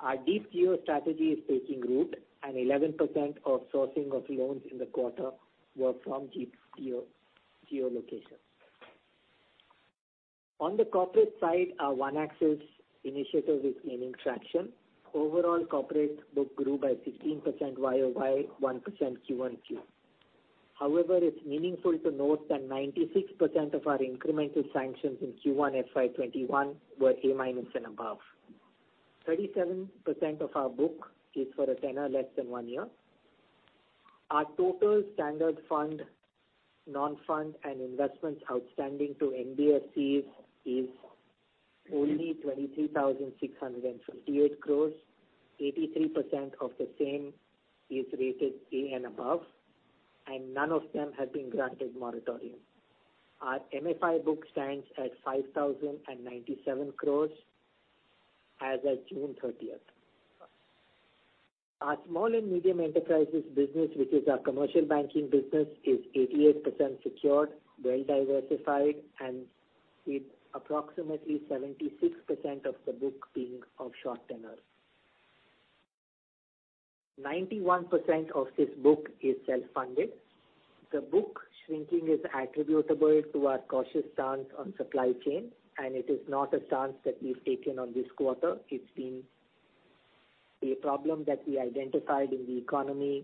Speaker 3: Our Deep Geo strategy is taking root, and 11% of sourcing of loans in the quarter were from Deep Geo locations. On the corporate side, our One Axis initiative is gaining traction. Overall corporate book grew by 16% YOY, 1% QoQ. However, it's meaningful to note that 96% of our incremental sanctions in Q1 FY21 were A- and above. 37% of our book is for a tenor less than one year. Our total standard fund, non-fund, and investments outstanding to NBFCs is only 23,658 crores. 83% of the same is rated A and above, and none of them have been granted moratorium. Our MFI book stands at 5,097 crores as of June 30. Our small and medium enterprises business, which is our commercial banking business, is 88% secured, well diversified, and with approximately 76% of the book being of short tenor. 91% of this book is self-funded. The book shrinking is attributable to our cautious stance on supply chain, and it is not a stance that we've taken on this quarter. It's been a problem that we identified in the economy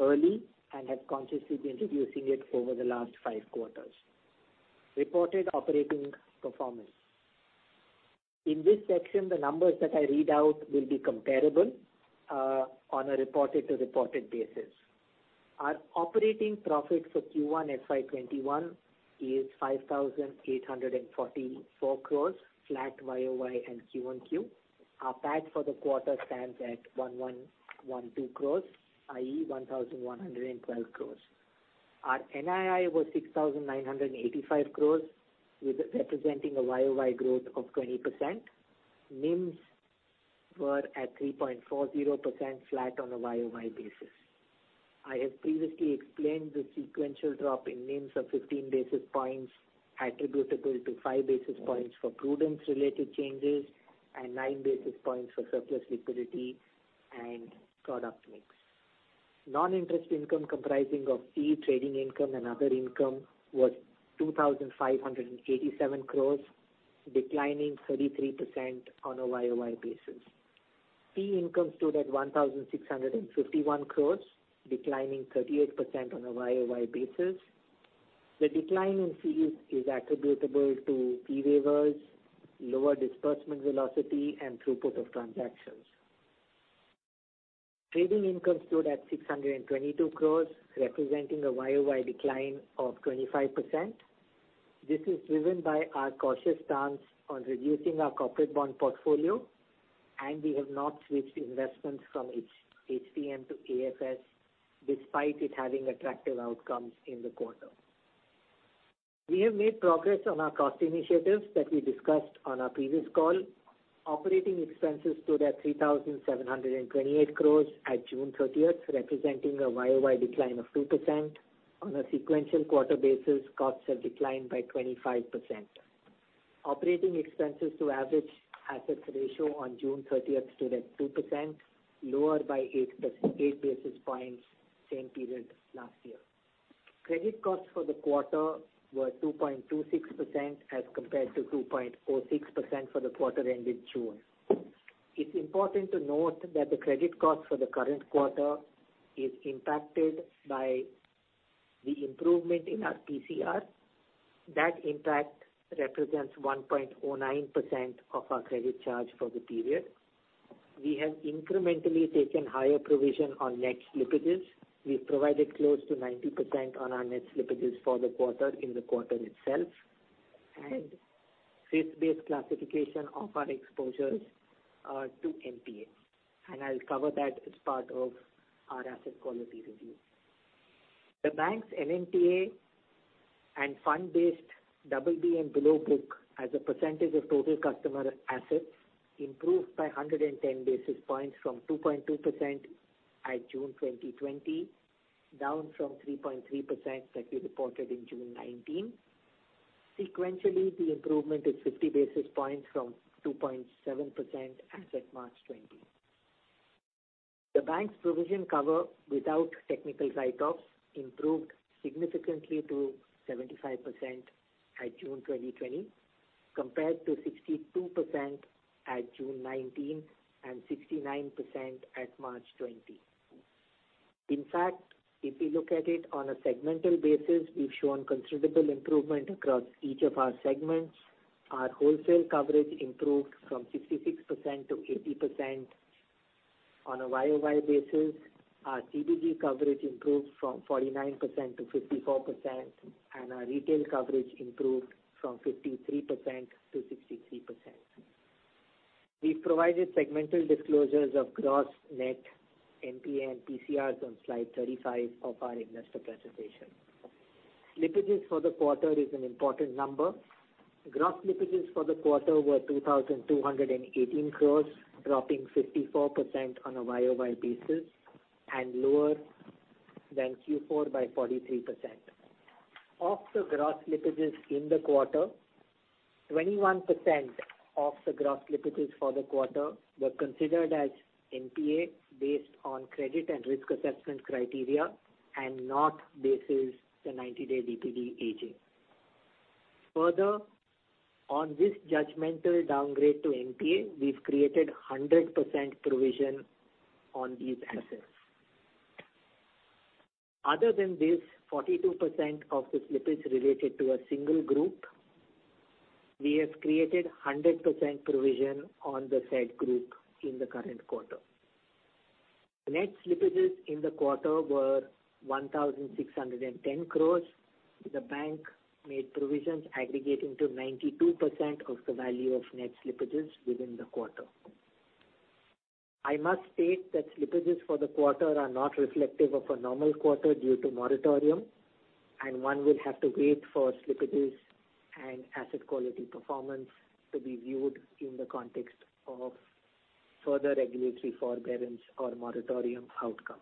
Speaker 3: early and have consciously been reducing it over the last 5 quarters. Reported operating performance. In this section, the numbers that I read out will be comparable on a reported-to-reported basis. Our operating profit for Q1 FY21 is 5,844 crores, flat YOY and QoQ. Our PAT for the quarter stands at 1,112 crores, i.e., 1,112 crores. Our NII was 6,985 crores, representing a YOY growth of 20%. NIMs were at 3.40%, flat on a YOY basis. I have previously explained the sequential drop in NIMs of 15 basis points attributable to 5 basis points for prudence-related changes and 9 basis points for surplus liquidity and product mix. Non-interest income comprising of fee, trading income, and other income was 2,587 crores, declining 33% on a year-over-year basis. Fee income stood at 1,651 crores, declining 38% on a year-over-year basis. The decline in fees is attributable to fee waivers, lower disbursement velocity, and throughput of transactions. Trading income stood at 622 crores, representing a year-over-year decline of 25%. This is driven by our cautious stance on reducing our corporate bond portfolio, and we have not switched investments from HTM to AFS despite it having attractive outcomes in the quarter. We have made progress on our cost initiatives that we discussed on our previous call. Operating expenses stood at 3,728 crores at June 30, representing a year-over-year decline of 2%. On a sequential quarter basis, costs have declined by 25%. Operating expenses to average assets ratio on June 30 stood at 2%, lower by 8 basis points, same period last year. Credit costs for the quarter were 2.26% as compared to 2.06% for the quarter ended June. It's important to note that the credit cost for the current quarter is impacted by the improvement in our PCR. That impact represents 1.09% of our credit charge for the period. We have incrementally taken higher provision on net slippages. We've provided close to 90% on our net slippages for the quarter in the quarter itself and risk-based classification of our exposures to NPA. I'll cover that as part of our asset quality review. The bank's NMTA and fund-based BB and below book as a percentage of total customer assets improved by 110 basis points from 2.2% at June 2020, down from 3.3% that we reported in June 2019. Sequentially, the improvement is 50 basis points from 2.7% as of March 2020. The bank's provision cover without technical write-offs improved significantly to 75% at June 2020 compared to 62% at June 2019 and 69% at March 2020. In fact, if you look at it on a segmental basis, we've shown considerable improvement across each of our segments. Our wholesale coverage improved from 66% to 80% on a YOY basis. Our CBG coverage improved from 49% to 54%, and our retail coverage improved from 53% to 63%. We've provided segmental disclosures of gross, net, NPA, and PCRs on slide 35 of our investor presentation. Slippages for the quarter is an important number. Gross slippages for the quarter were 2,218 crore, dropping 54% on a YOY basis and lower than Q4 by 43%. Of the gross slippages in the quarter, 21% of the gross slippages for the quarter were considered as NPA based on credit and risk assessment criteria and not based on the 90-day DPD aging. Further, on this judgmental downgrade to NPA, we've created 100% provision on these assets. Other than this, 42% of the slippage related to a single group, we have created 100% provision on the said group in the current quarter. Net slippages in the quarter were 1,610 crore. The bank made provisions aggregating to 92% of the value of net slippages within the quarter. I must state that slippages for the quarter are not reflective of a normal quarter due to moratorium, and one will have to wait for slippages and asset quality performance to be viewed in the context of further regulatory forbearance or moratorium outcomes.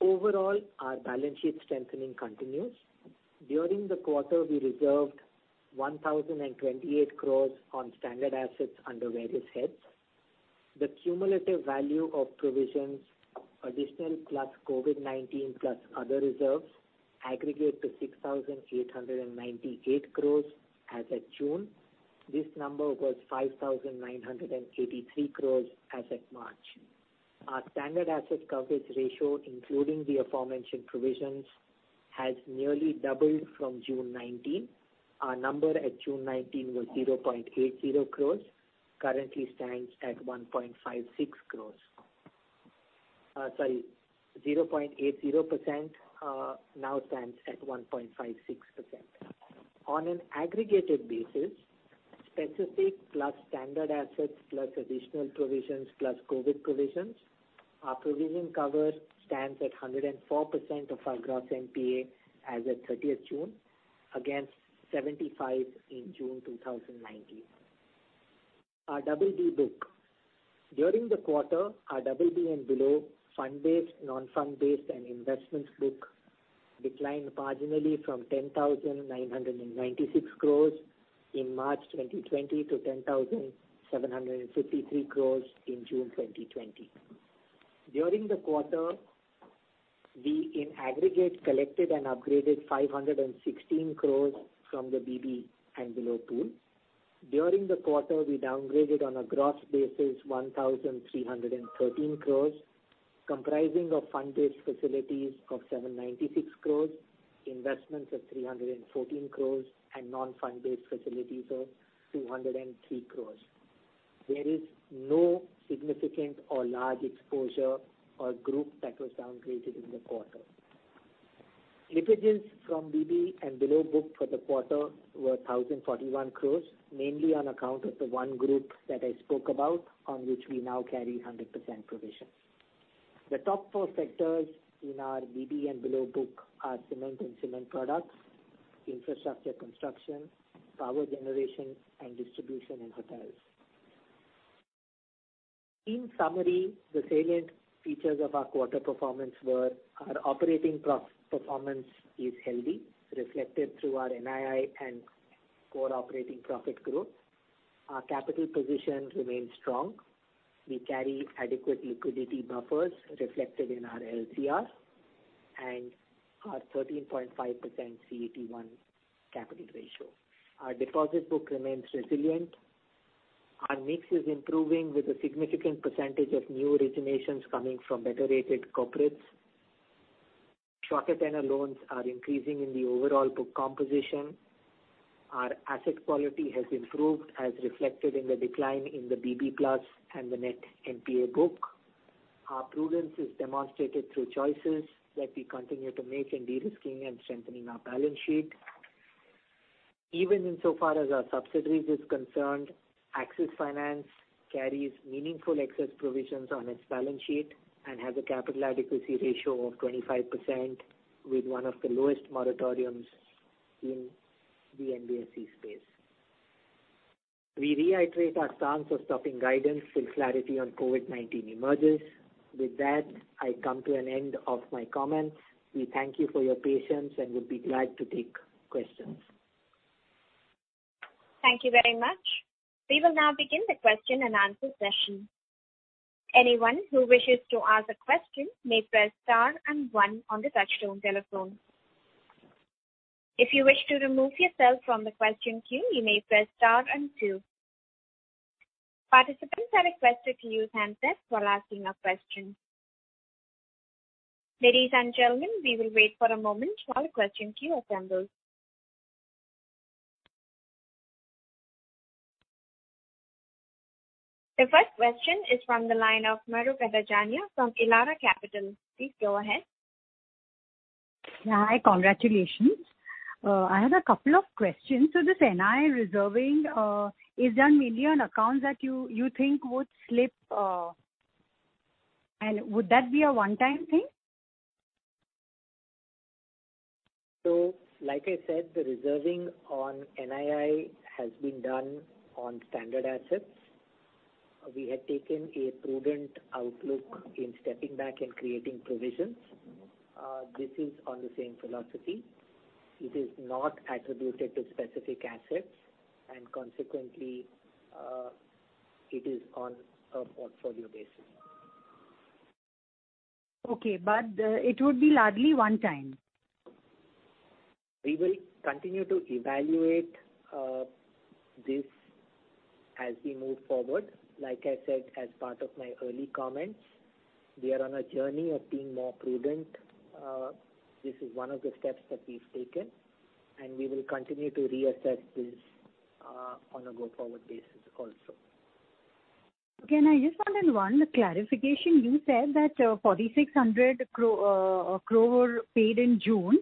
Speaker 3: Overall, our balance sheet strengthening continues. During the quarter, we reserved 1,028 crore on standard assets under various heads. The cumulative value of provisions, additional plus COVID-19 plus other reserves, aggregate to 6,898 crore as of June. This number was 5,983 crore as of March. Our standard asset coverage ratio, including the aforementioned provisions, has nearly doubled from June 2019. Our number at June 2019 was 0.80 crore, currently stands at 1.56 crore. Sorry. 0.80% now stands at 1.56%. On an aggregated basis, specific plus standard assets plus additional provisions plus COVID provisions, our provision cover stands at 104% of our gross NPA as of 30 June, against 75% in June 2019. Our BB book. During the quarter, our BB and below fund-based, non-fund-based, and investments book declined marginally from 10,996 crore in March 2020 to 10,753 crore in June 2020. During the quarter, we in aggregate collected and upgraded 516 crore from the BB and below pool. During the quarter, we downgraded on a gross basis 1,313 crore, comprising of fund-based facilities of 796 crore, investments of 314 crore, and non-fund-based facilities of 203 crore. There is no significant or large exposure or group that was downgraded in the quarter. Slippages from BB and below book for the quarter were 1,041 crore, mainly on account of the one group that I spoke about, on which we now carry 100% provisions. The top four sectors in our BB and below book are cement and cement products, infrastructure construction, power generation, and distribution in hotels. In summary, the salient features of our quarter performance were our operating performance is healthy, reflected through our NII and core operating profit growth. Our capital position remains strong. We carry adequate liquidity buffers reflected in our LCR and our 13.5% CET1 capital ratio. Our deposit book remains resilient. Our mix is improving with a significant percentage of new originations coming from better-rated corporates. Short-term loans are increasing in the overall book composition. Our asset quality has improved as reflected in the decline in the BB and below and the net NPA book. Our prudence is demonstrated through choices that we continue to make in de-risking and strengthening our balance sheet. Even insofar as our subsidiaries are concerned, Axis Finance carries meaningful excess provisions on its balance sheet and has a capital adequacy ratio of 25% with one of the lowest moratoriums in the NBFC space. We reiterate our stance of stopping guidance till clarity on COVID-19 emerges. With that, I come to an end of my comments. We thank you for your patience and would be glad to take questions.
Speaker 4: Thank you very much. We will now begin the question-and-answer session. Anyone who wishes to ask a question may press star and one on the touchstone telephone. If you wish to remove yourself from the question queue, you may press star and two. Participants are requested to use handsets while asking a question. Ladies and gentlemen, we will wait for a moment while the question queue assembles. The first question is from the line of Mahrukh Adajania from Elara Capital. Please go ahead.
Speaker 5: Hi. Congratulations. I have a couple of questions. This NII reserving is done mainly on accounts that you think would slip, and would that be a one-time thing?
Speaker 3: Like I said, the reserving on NII has been done on standard assets. We had taken a prudent outlook in stepping back and creating provisions. This is on the same philosophy. It is not attributed to specific assets, and consequently, it is on a portfolio basis.
Speaker 5: Okay. But it would be largely one-time.
Speaker 3: We will continue to evaluate this as we move forward. Like I said, as part of my early comments, we are on a journey of being more prudent. This is one of the steps that we've taken, and we will continue to reassess this on a go-forward basis also.
Speaker 5: Okay. And I just wanted one clarification. You said that 4,600 crore were paid in June,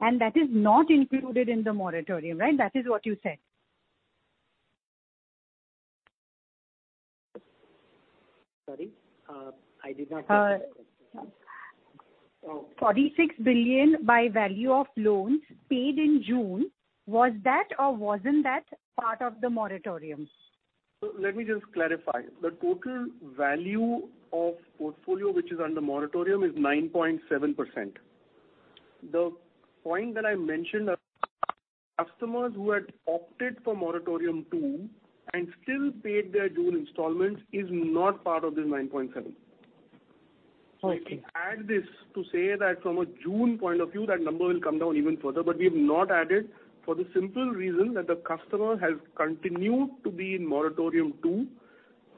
Speaker 5: and that is not included in the moratorium, right? That is what you said.
Speaker 3: Sorry. I did not get that question.
Speaker 5: 46 billion by value of loans paid in June, was that or wasn't that part of the moratorium?
Speaker 1: Let me just clarify. The total value of portfolio which is under moratorium is 9.7%. The point that I mentioned, customers who had opted for moratorium 2 and still paid their June installments is not part of this 9.7%. So we add this to say that from a June point of view, that number will come down even further, but we have not added for the simple reason that the customer has continued to be in moratorium 2,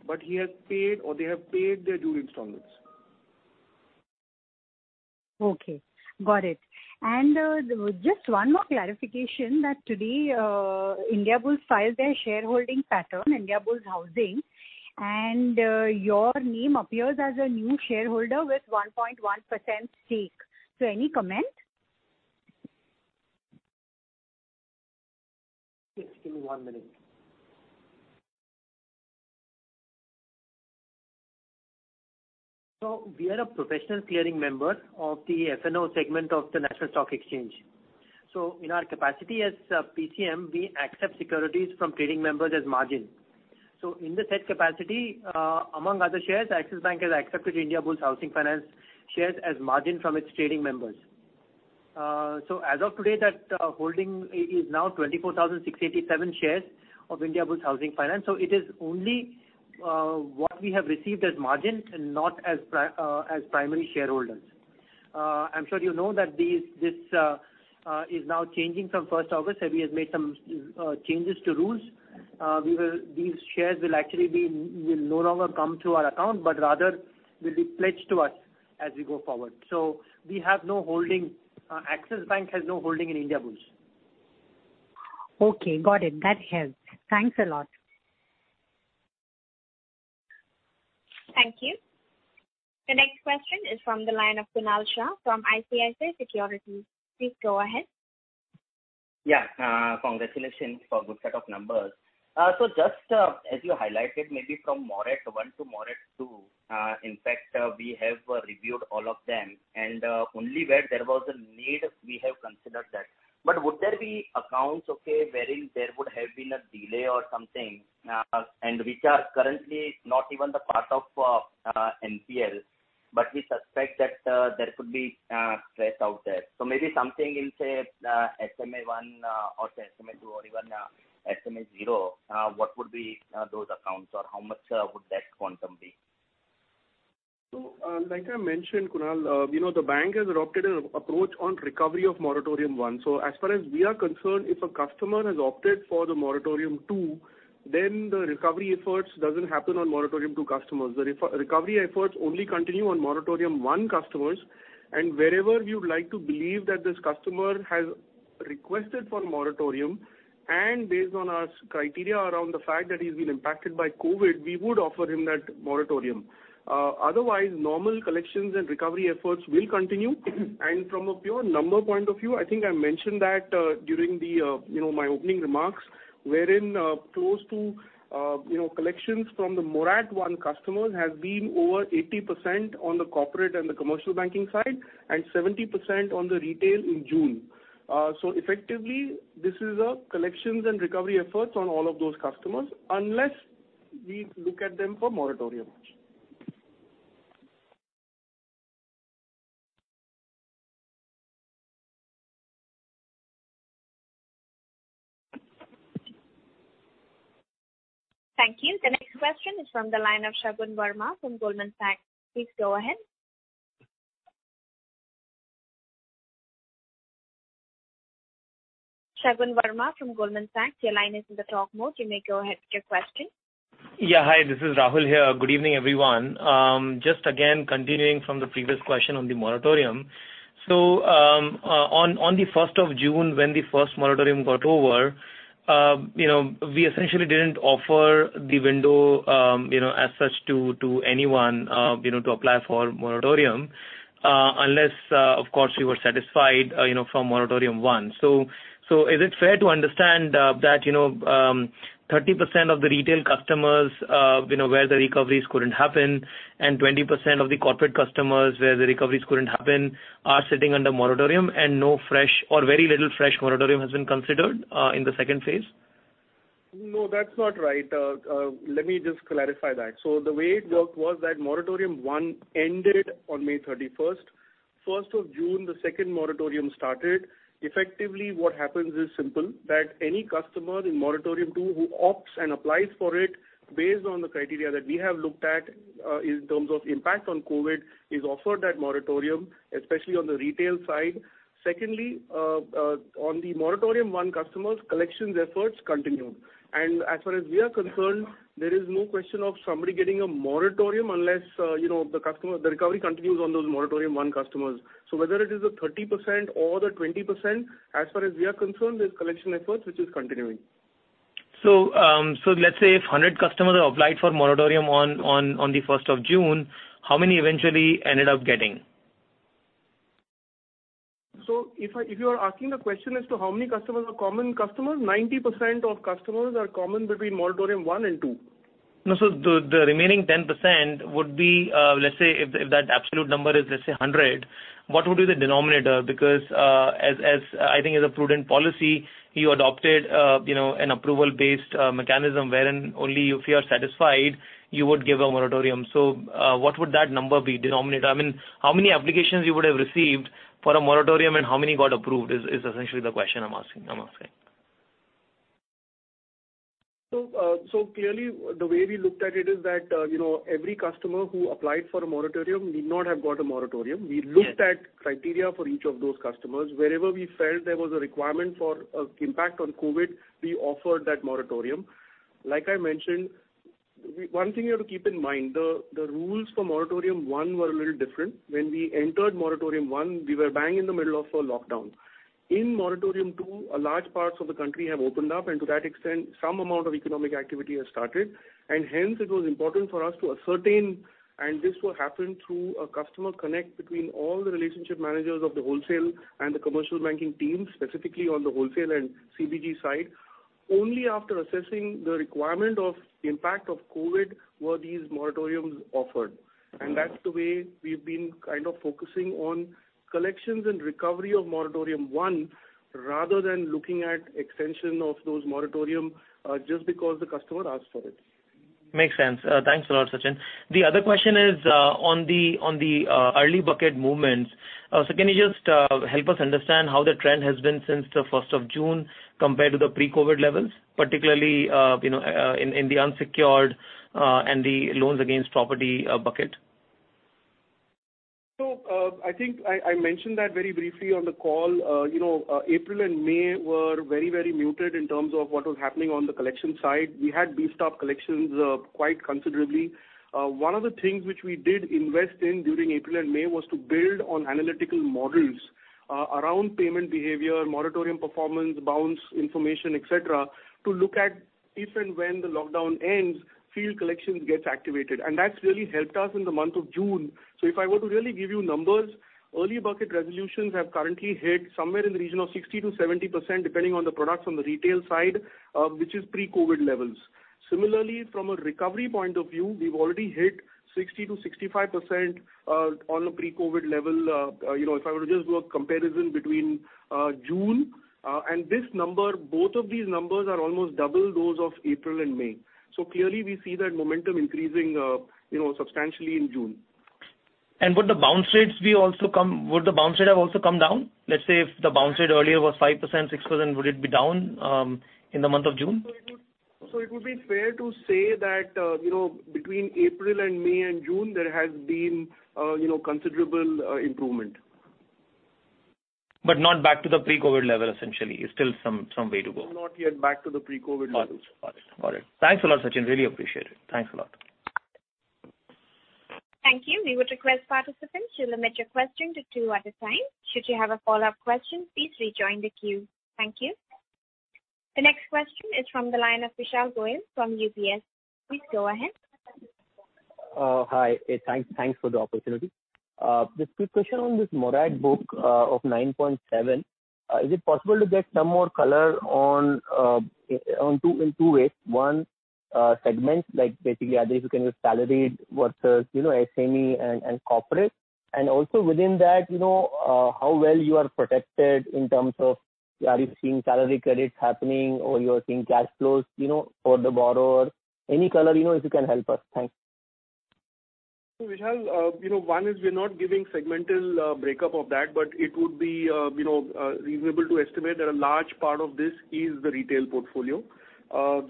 Speaker 1: but he has paid or they have paid their June installments.
Speaker 5: Okay. Got it. And just one more clarification that today, Indiabulls filed their shareholding pattern, Indiabulls Housing, and your name appears as a new shareholder with 1.1% stake. So any comment?
Speaker 3: Give me one minute.
Speaker 1: We are a professional clearing member of the F&O segment of the National Stock Exchange. In our capacity as PCM, we accept securities from trading members as margin. In the said capacity, among other shares, Axis Bank has accepted Indiabulls Housing Finance shares as margin from its trading members. As of today, that holding is now 24,687 shares of Indiabulls Housing Finance. It is only what we have received as margin and not as primary shareholders. I'm sure you know that this is now changing from 1st August. SEBI has made some changes to rules. These shares will actually no longer come through our account, but rather will be pledged to us as we go forward. We have no holding. Axis Bank has no holding in Indiabulls.
Speaker 5: Okay. Got it. That helps. Thanks a lot.
Speaker 4: Thank you. The next question is from the line of Kunal Shah from ICICI Securities. Please go ahead.
Speaker 6: Yeah. From the selection for good set of numbers. So just as you highlighted, maybe from Morat 1 to Morat 2, in fact, we have reviewed all of them. And only where there was a need, we have considered that. But would there be accounts, okay, wherein there would have been a delay or something, and which are currently not even the part of NPL, but we suspect that there could be stress out there? So maybe something in, say, SMA 1 or SMA 2 or even SMA 0, what would be those accounts, or how much would that quantum be?
Speaker 1: So like I mentioned, Kunal, the bank has adopted an approach on recovery of moratorium one. So as far as we are concerned, if a customer has opted for the moratorium two, then the recovery efforts doesn't happen on moratorium two customers. The recovery efforts only continue on moratorium one customers. And wherever you'd like to believe that this customer has requested for moratorium, and based on our criteria around the fact that he's been impacted by COVID, we would offer him that moratorium. Otherwise, normal collections and recovery efforts will continue. And from a pure number point of view, I think I mentioned that during my opening remarks, wherein close to collections from the moratorium one customers has been over 80% on the corporate and the commercial banking side and 70% on the retail in June. Effectively, this is collections and recovery efforts on all of those customers unless we look at them for moratorium.
Speaker 4: Thank you. The next question is from the line of Shagun Verma from Goldman Sachs. Please go ahead. Shagun Verma from Goldman Sachs, your line is in the talk mode. You may go ahead with your question.
Speaker 7: Yeah. Hi. This is Rahul here. Good evening, everyone. Just again, continuing from the previous question on the moratorium. So on the 1st of June, when the first moratorium got over, we essentially didn't offer the window as such to anyone to apply for moratorium unless, of course, we were satisfied from moratorium one. So is it fair to understand that 30% of the retail customers where the recoveries couldn't happen and 20% of the corporate customers where the recoveries couldn't happen are sitting under moratorium, and no fresh or very little fresh moratorium has been considered in the second phase?
Speaker 1: No, that's not right. Let me just clarify that. So the way it worked was that moratorium one ended on May 31st. 1st of June, the second moratorium started. Effectively, what happens is simple: that any customer in moratorium two who opts and applies for it based on the criteria that we have looked at in terms of impact on COVID is offered that moratorium, especially on the retail side. Secondly, on the moratorium one customers, collections efforts continued. And as far as we are concerned, there is no question of somebody getting a moratorium unless the recovery continues on those moratorium one customers. So whether it is the 30% or the 20%, as far as we are concerned, there's collection efforts which is continuing.
Speaker 7: Let's say if 100 customers applied for moratorium on the 1st of June, how many eventually ended up getting?
Speaker 1: If you are asking the question as to how many customers are common customers, 90% of customers are common between Moratorium 1 and 2.
Speaker 7: No, so the remaining 10% would be let's say if that absolute number is, let's say, 100, what would be the denominator? Because I think as a prudent policy, you adopted an approval-based mechanism wherein only if you are satisfied, you would give a moratorium. So what would that number be, denominator? I mean, how many applications you would have received for a moratorium and how many got approved is essentially the question I'm asking.
Speaker 1: So clearly, the way we looked at it is that every customer who applied for a moratorium did not have got a moratorium. We looked at criteria for each of those customers. Wherever we felt there was a requirement for impact on COVID, we offered that moratorium. Like I mentioned, one thing you have to keep in mind, the rules for moratorium one were a little different. When we entered moratorium one, we were bang in the middle of a lockdown. In moratorium two, a large part of the country have opened up, and to that extent, some amount of economic activity has started. And hence, it was important for us to ascertain and this will happen through a customer connect between all the relationship managers of the wholesale and the commercial banking team, specifically on the wholesale and CBG side. Only after assessing the requirement of impact of COVID were these moratoriums offered. That's the way we've been kind of focusing on collections and recovery of moratorium one rather than looking at extension of those moratorium just because the customer asked for it.
Speaker 7: Makes sense. Thanks a lot, Chaudhry. The other question is on the early bucket movements. So can you just help us understand how the trend has been since the 1st of June compared to the pre-COVID levels, particularly in the unsecured and the loans against property bucket?
Speaker 1: So I think I mentioned that very briefly on the call. April and May were very, very muted in terms of what was happening on the collection side. We had beefed up collections quite considerably. One of the things which we did invest in during April and May was to build on analytical models around payment behavior, moratorium performance, bounce information, etc., to look at if and when the lockdown ends, field collections gets activated. And that's really helped us in the month of June. So if I were to really give you numbers, early bucket resolutions have currently hit somewhere in the region of 60%-70%, depending on the products on the retail side, which is pre-COVID levels. Similarly, from a recovery point of view, we've already hit 60%-65% on a pre-COVID level. If I were to just do a comparison between June and this number, both of these numbers are almost double those of April and May. So clearly, we see that momentum increasing substantially in June.
Speaker 7: Would the bounce rates be also come would the bounce rate have also come down? Let's say if the bounce rate earlier was 5%, 6%, would it be down in the month of June?
Speaker 1: It would be fair to say that between April and May and June, there has been considerable improvement.
Speaker 7: But not back to the pre-COVID level, essentially. It's still some way to go.
Speaker 1: Not yet back to the pre-COVID levels.
Speaker 7: Got it. Got it.
Speaker 1: Thanks a lot, Sachin. Really appreciate it. Thanks a lot.
Speaker 4: Thank you. We would request participants to limit your question to two at a time. Should you have a follow-up question, please rejoin the queue. Thank you. The next question is from the line of Vishal Goyal from UBS. Please go ahead.
Speaker 8: Hi. Thanks for the opportunity. This quick question on this moratorium book of 9.7, is it possible to get some more color in two ways? One, segments like basically either if you can use salaried versus SME and corporate. And also within that, how well you are protected in terms of are you seeing salary credits happening or you are seeing cash flows for the borrower? Any color if you can help us. Thanks.
Speaker 1: So Vishal, one is we're not giving segmental breakup of that, but it would be reasonable to estimate that a large part of this is the retail portfolio.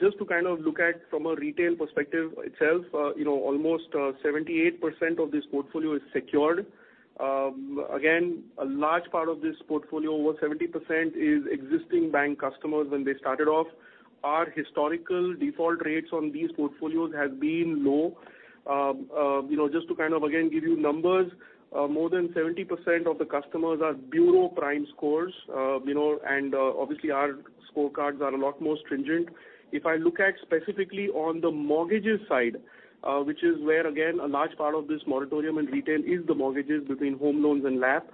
Speaker 1: Just to kind of look at from a retail perspective itself, almost 78% of this portfolio is secured. Again, a large part of this portfolio, over 70%, is existing bank customers when they started off. Our historical default rates on these portfolios have been low. Just to kind of, again, give you numbers, more than 70% of the customers are Bureau Prime scores. And obviously, our scorecards are a lot more stringent. If I look at specifically on the mortgages side, which is where, again, a large part of this moratorium in retail is the mortgages between home loans and LAP,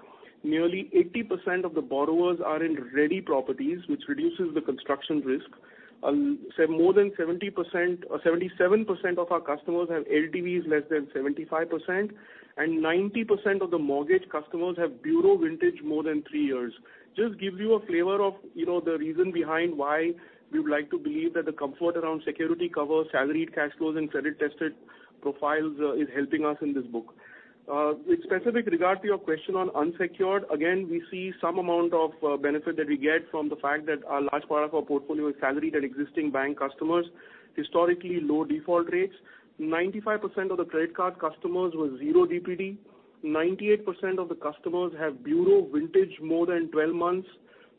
Speaker 1: nearly 80% of the borrowers are in ready properties, which reduces the construction risk. More than 70%, 77% of our customers have LTVs less than 75%. And 90% of the mortgage customers have Bureau Vintage more than three years. Just gives you a flavor of the reason behind why we would like to believe that the comfort around security cover, salaried cash flows, and credit-tested profiles is helping us in this book. With specific regard to your question on unsecured, again, we see some amount of benefit that we get from the fact that a large part of our portfolio is salaried and existing bank customers, historically low default rates. 95% of the credit card customers were 0 DPD. 98% of the customers have Bureau Vintage more than 12 months.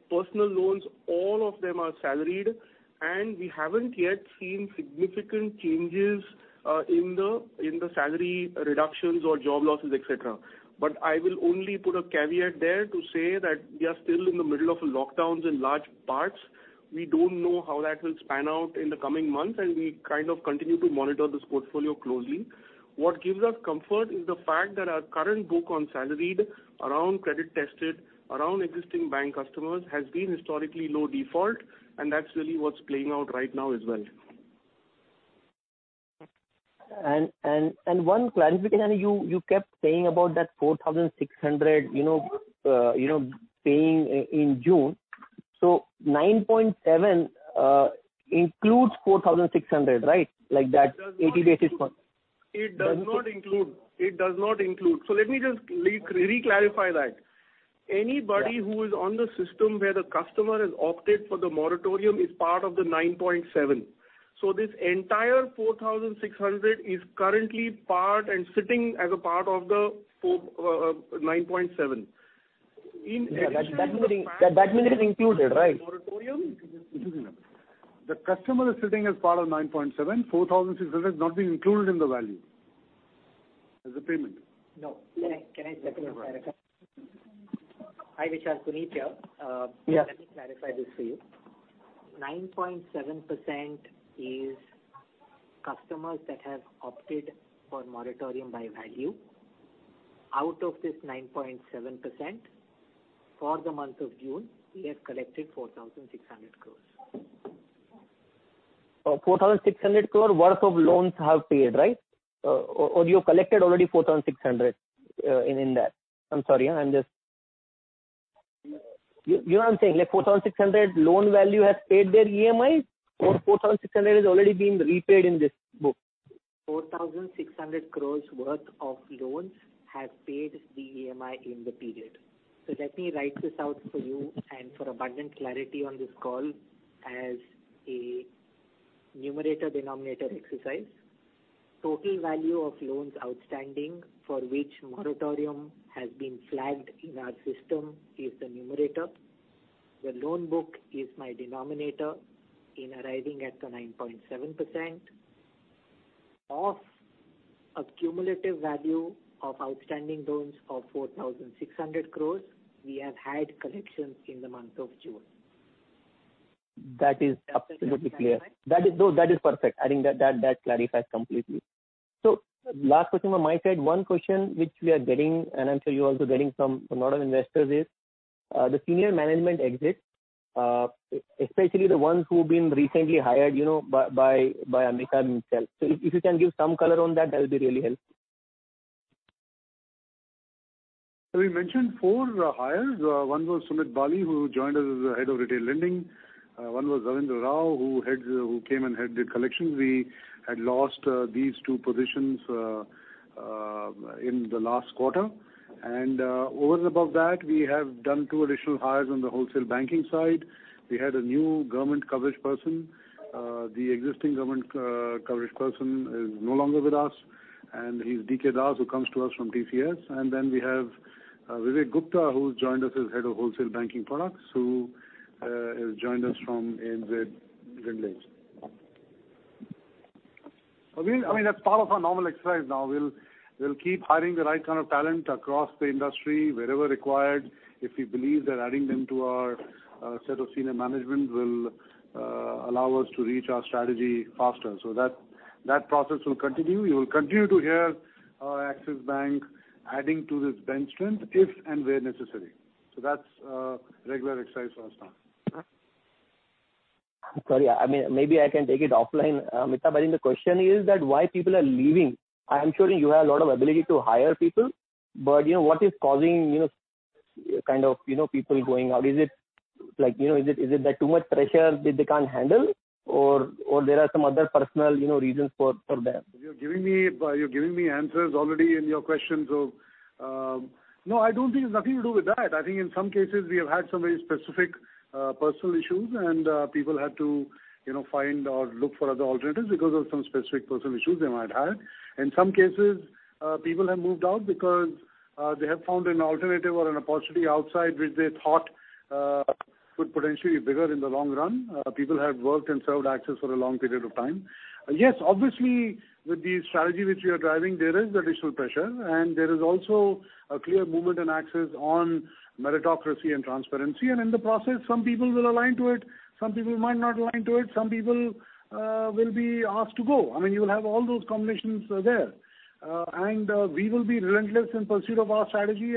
Speaker 1: Personal loans, all of them are salaried. And we haven't yet seen significant changes in the salary reductions or job losses, etc. I will only put a caveat there to say that we are still in the middle of lockdowns in large parts. We don't know how that will pan out in the coming months, and we kind of continue to monitor this portfolio closely. What gives us comfort is the fact that our current book on salaried, our credit-tested, our existing bank customers has been historically low default. That's really what's playing out right now as well.
Speaker 8: One clarification, you kept saying about that 4,600 paying in June. So 9.7 includes 4,600, right? Like that 80 basis point.
Speaker 1: It does not include. It does not include. So let me just reclarify that. Anybody who is on the system where the customer has opted for the moratorium is part of the 9.7. So this entire 4,600 is currently part and sitting as a part of the 9.7. In.
Speaker 8: Yeah. That means it is included, right?
Speaker 1: The customer is sitting as part of 9.7. 4,600 is not being included in the value as a payment.
Speaker 3: No. Can I just clarify? Hi, Vishal. Puneet Sharma. Let me clarify this for you. 9.7% is customers that have opted for moratorium by value. Out of this 9.7%, for the month of June, we have collected 4,600 crore.
Speaker 8: 4,600 crore worth of loans have paid, right? Or you collected already 4,600 in that? I'm sorry. You know what I'm saying? 4,600 loan value has paid their EMI, or 4,600 has already been repaid in this book?
Speaker 3: 4,600 crore worth of loans have paid the EMI in the period. So let me write this out for you and for abundant clarity on this call as a numerator-denominator exercise. Total value of loans outstanding for which moratorium has been flagged in our system is the numerator. The loan book is my denominator in arriving at the 9.7%. Of accumulative value of outstanding loans of 4,600 crore, we have had collections in the month of June.
Speaker 8: That is absolutely clear. No, that is perfect. I think that clarifies completely. So last question from my side, one question which we are getting, and I'm sure you're also getting from a lot of investors, is the senior management exit, especially the ones who've been recently hired by Amitabh himself. So if you can give some color on that, that will be really helpful.
Speaker 1: So we mentioned four hires. One was Sumit Bali, who joined us as the head of retail lending. One was Ravindra Rao, who came and did collections. We had lost these two positions in the last quarter. And over and above that, we have done two additional hires on the wholesale banking side. We had a new government coverage person. The existing government coverage person is no longer with us, and he's D.K. Dash, who comes to us from TCS. And then we have Vivek Gupta, who's joined us as head of wholesale banking products, who has joined us from ANZ. I mean, that's part of our normal exercise now. We'll keep hiring the right kind of talent across the industry wherever required. If we believe that adding them to our set of senior management will allow us to reach our strategy faster. So that process will continue. You will continue to hear Axis Bank adding to this bench strength if and where necessary. So that's a regular exercise for us now.
Speaker 8: Sorry. I mean, maybe I can take it offline. Amitabh, I think the question is that why people are leaving. I'm sure you have a lot of ability to hire people, but what is causing kind of people going out? Is it that too much pressure that they can't handle, or there are some other personal reasons for them?
Speaker 1: You're giving me answers already in your question. So no, I don't think it's nothing to do with that. I think in some cases, we have had some very specific personal issues, and people had to find or look for other alternatives because of some specific personal issues they might have. In some cases, people have moved out because they have found an alternative or an opportunity outside which they thought could potentially be bigger in the long run. People have worked and served Axis for a long period of time. Yes, obviously, with the strategy which we are driving, there is additional pressure. And there is also a clear movement in Axis on meritocracy and transparency. And in the process, some people will align to it. Some people might not align to it. Some people will be asked to go. I mean, you will have all those combinations there. We will be relentless in pursuit of our strategy.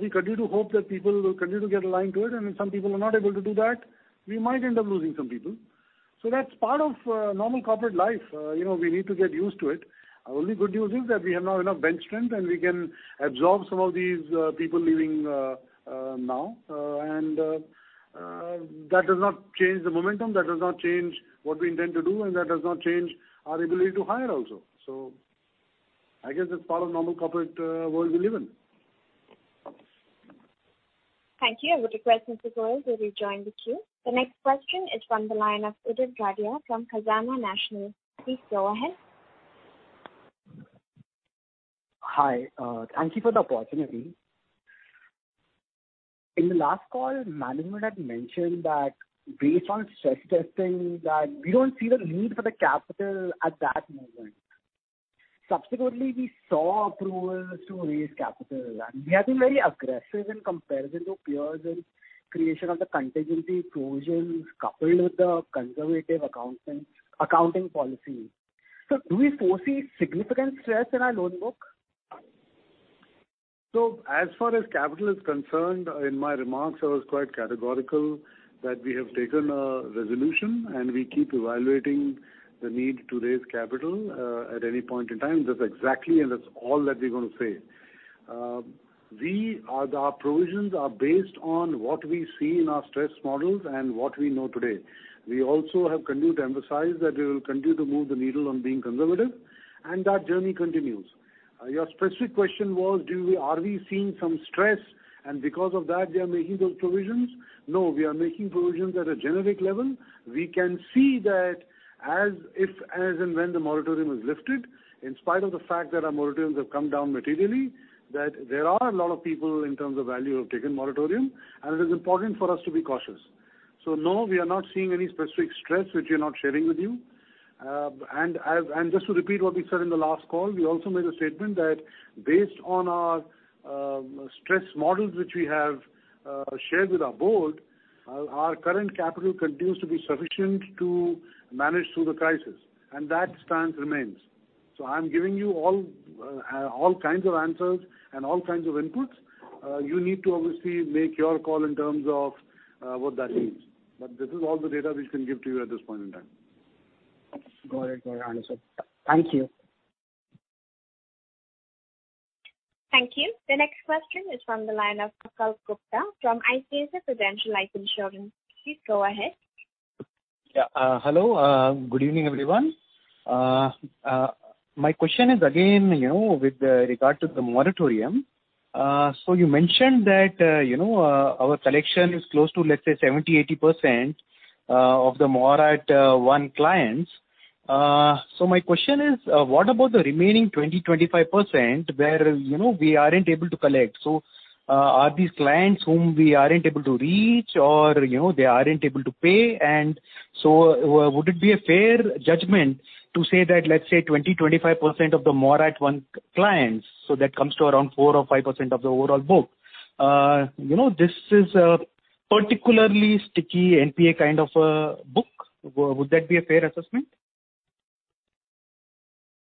Speaker 1: We continue to hope that people will continue to get aligned to it. If some people are not able to do that, we might end up losing some people. So that's part of normal corporate life. We need to get used to it. The only good news is that we have now enough bench strength, and we can absorb some of these people leaving now. That does not change the momentum. That does not change what we intend to do. That does not change our ability to hire also. So I guess that's part of normal corporate world we live in.
Speaker 4: Thank you. I would request Mr. Goyal to rejoin the queue. The next question is from the line of Udit Gadia from Khazanah Nasional. Please go ahead.
Speaker 9: Hi. Thank you for the opportunity. In the last call, management had mentioned that based on stress testing, that we don't see the need for the capital at that moment. Subsequently, we saw approvals to raise capital. We have been very aggressive in comparison to peers in creation of the contingency provisions coupled with the conservative accounting policy. So do we foresee significant stress in our loan book?
Speaker 1: So as far as capital is concerned, in my remarks, I was quite categorical that we have taken a resolution, and we keep evaluating the need to raise capital at any point in time. That's exactly and that's all that we're going to say. Our provisions are based on what we see in our stress models and what we know today. We also have continued to emphasize that we will continue to move the needle on being conservative, and that journey continues. Your specific question was, are we seeing some stress, and because of that, they are making those provisions? No, we are making provisions at a generic level. We can see that as if and when the moratorium is lifted, in spite of the fact that our moratoriums have come down materially, that there are a lot of people in terms of value who have taken moratorium. It is important for us to be cautious. So no, we are not seeing any specific stress which we are not sharing with you. Just to repeat what we said in the last call, we also made a statement that based on our stress models which we have shared with our board, our current capital continues to be sufficient to manage through the crisis. That stance remains. So I'm giving you all kinds of answers and all kinds of inputs. You need to obviously make your call in terms of what that means. But this is all the data which we can give to you at this point in time.
Speaker 9: Got it. Got it, Amitabh. Thank you.
Speaker 4: Thank you. The next question is from the line of Sachin Gupta from ICICI Prudential Life Insurance. Please go ahead.
Speaker 10: Yeah. Hello. Good evening, everyone. My question is, again, with regard to the moratorium. So you mentioned that our collection is close to, let's say, 70%-80% of the Morat 1 clients. So my question is, what about the remaining 20%-25% where we aren't able to collect? So are these clients whom we aren't able to reach, or they aren't able to pay? And so would it be a fair judgment to say that, let's say, 20%-25% of the Morat 1 clients so that comes to around 4% or 5% of the overall book? This is a particularly sticky NPA kind of book. Would that be a fair assessment?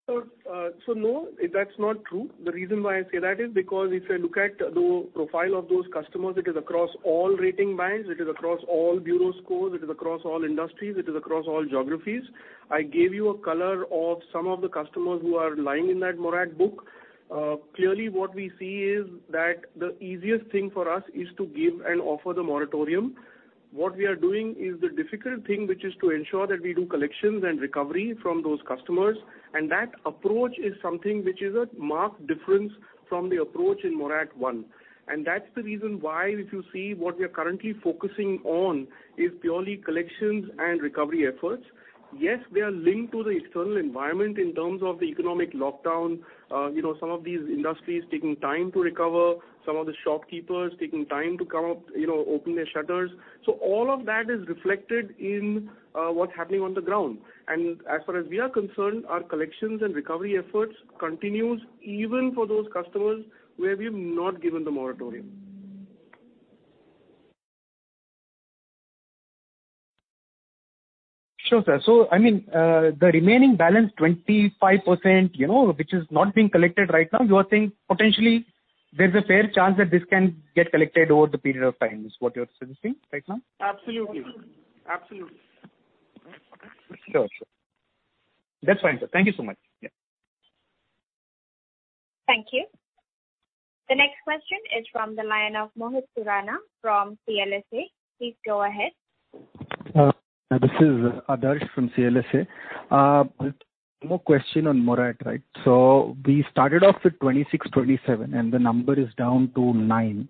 Speaker 1: So no, that's not true. The reason why I say that is because if you look at the profile of those customers, it is across all rating bands. It is across all bureau scores. It is across all industries. It is across all geographies. I gave you a color of some of the customers who are lying in that moratorium book. Clearly, what we see is that the easiest thing for us is to give and offer the moratorium. What we are doing is the difficult thing, which is to ensure that we do collections and recovery from those customers. And that approach is something which is a marked difference from the approach in Moratorium One. And that's the reason why if you see what we are currently focusing on is purely collections and recovery efforts. Yes, they are linked to the external environment in terms of the economic lockdown, some of these industries taking time to recover, some of the shopkeepers taking time to come up, open their shutters. So all of that is reflected in what's happening on the ground. And as far as we are concerned, our collections and recovery efforts continue even for those customers where we have not given the moratorium.
Speaker 10: Sure, sir. So I mean, the remaining balance, 25%, which is not being collected right now, you are saying potentially, there's a fair chance that this can get collected over the period of time. Is what you're suggesting right now?
Speaker 1: Absolutely. Absolutely.
Speaker 10: Sure, sure. That's fine, sir. Thank you so much. Yeah.
Speaker 4: Thank you. The next question is from the line of Adarsh Parasrampuria from CLSA. Please go ahead.
Speaker 11: This is Adarsh from CLSA. One more question on Morat, right? So we started off with 26, 27, and the number is down to 9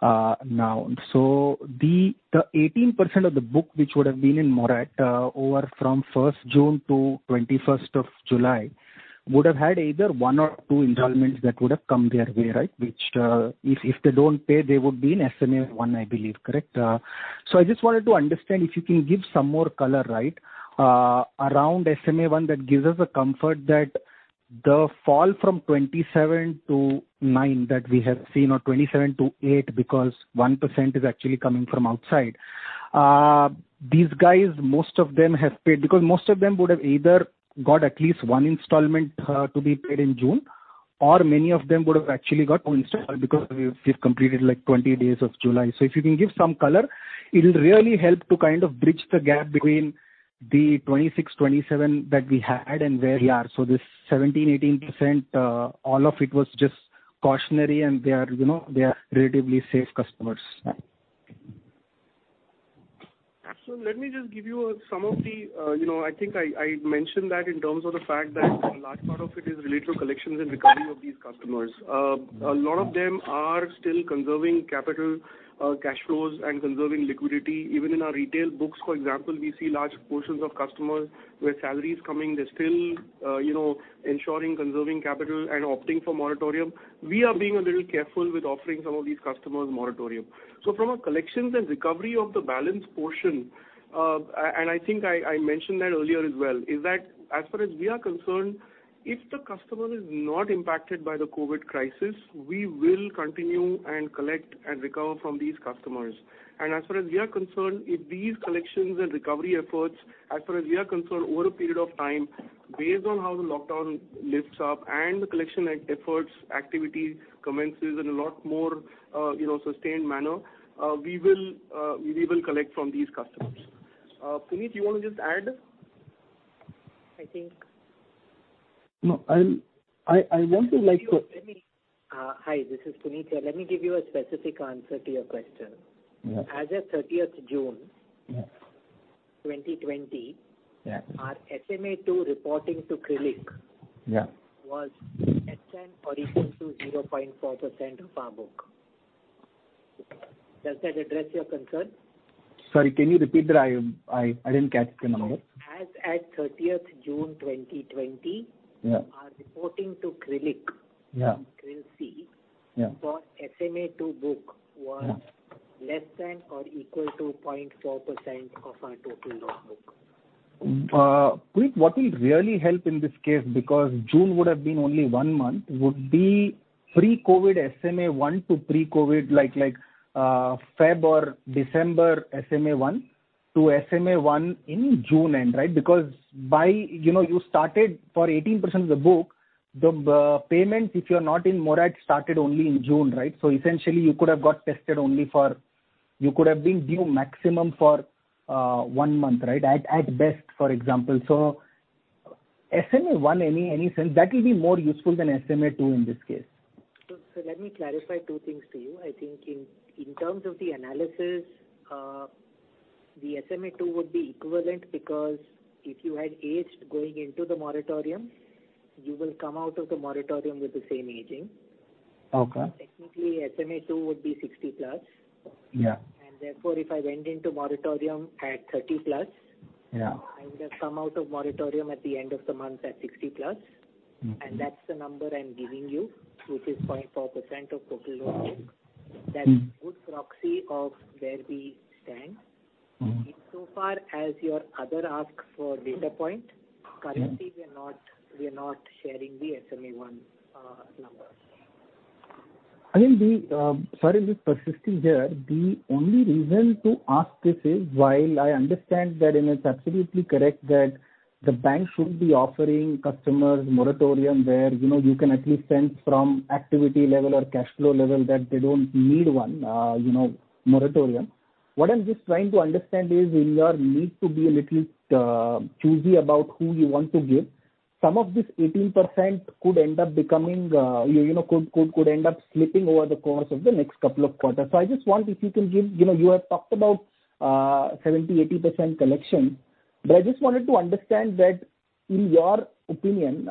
Speaker 11: now. So the 18% of the book which would have been in Morat from 1st June to 21st of July would have had either one or two installments that would have come their way, right? Which if they don't pay, they would be in SMA One, I believe, correct? So I just wanted to understand if you can give some more color, right, around SMA One that gives us a comfort that the fall from 27% to 9% that we have seen or 27% to 8% because 1% is actually coming from outside, these guys, most of them have paid because most of them would have either got at least one installment to be paid in June, or many of them would have actually got two installments because we've completed 20 days of July. So if you can give some color, it'll really help to kind of bridge the gap between the 26%-27% that we had and where we are. So this 17%-18%, all of it was just cautionary, and they are relatively safe customers.
Speaker 1: So let me just give you some of the. I think I mentioned that in terms of the fact that a large part of it is related to collections and recovery of these customers. A lot of them are still conserving capital, cash flows, and conserving liquidity. Even in our retail books, for example, we see large portions of customers where salaries coming, they're still ensuring, conserving capital, and opting for moratorium. We are being a little careful with offering some of these customers moratorium. So from a collections and recovery of the balance portion and I think I mentioned that earlier as well is that as far as we are concerned, if the customer is not impacted by the COVID crisis, we will continue and collect and recover from these customers. As far as we are concerned, if these collections and recovery efforts as far as we are concerned, over a period of time, based on how the lockdown lifts up and the collection efforts activity commences in a lot more sustained manner, we will collect from these customers. Puneet, you want to just add?
Speaker 3: I think.
Speaker 11: No, I want to.
Speaker 3: Hi, this is Puneet. Let me give you a specific answer to your question. As of 30th June 2020, our SMA 2 reporting to CRILC was at 10 or equal to 0.4% of our book. Does that address your concern?
Speaker 11: Sorry, can you repeat that? I didn't catch the number.
Speaker 3: As at 30th June 2020, our reporting to CRILC from CRILC for SMA 2 book was less than or equal to 0.4% of our total loan book.
Speaker 11: Puneet, what will really help in this case because June would have been only one month would be pre-COVID SMA 1 to pre-COVID like February or December SMA 1 to SMA 1 in June end, right? Because you started for 18% of the book, the payments, if you're not in moratorium, started only in June, right? So essentially, you could have got tested only for you could have been due maximum for one month, right, at best, for example. So SMA 1, in any sense, that will be more useful than SMA 2 in this case.
Speaker 3: So let me clarify two things to you. I think in terms of the analysis, the SMA 2 would be equivalent because if you had aged going into the moratorium, you will come out of the moratorium with the same aging. Technically, SMA 2 would be 60+. And therefore, if I went into moratorium at 30+, I would have come out of moratorium at the end of the month at 60+. And that's the number I'm giving you, which is 0.4% of total loan book. That's a good proxy of where we stand. So far as your other ask for data point, currently, we are not sharing the SMA 1 number. I mean, sorry to be persisting here. The only reason to ask this is while I understand that it is absolutely correct that the bank should be offering customers moratorium where you can at least sense from activity level or cash flow level that they don't need one moratorium. What I'm just trying to understand is in your need to be a little choosy about who you want to give, some of this 18% could end up becoming could end up slipping over the course of the next couple of quarters. So I just want if you can give you have talked about 70%-80% collections. But I just wanted to understand that in your opinion,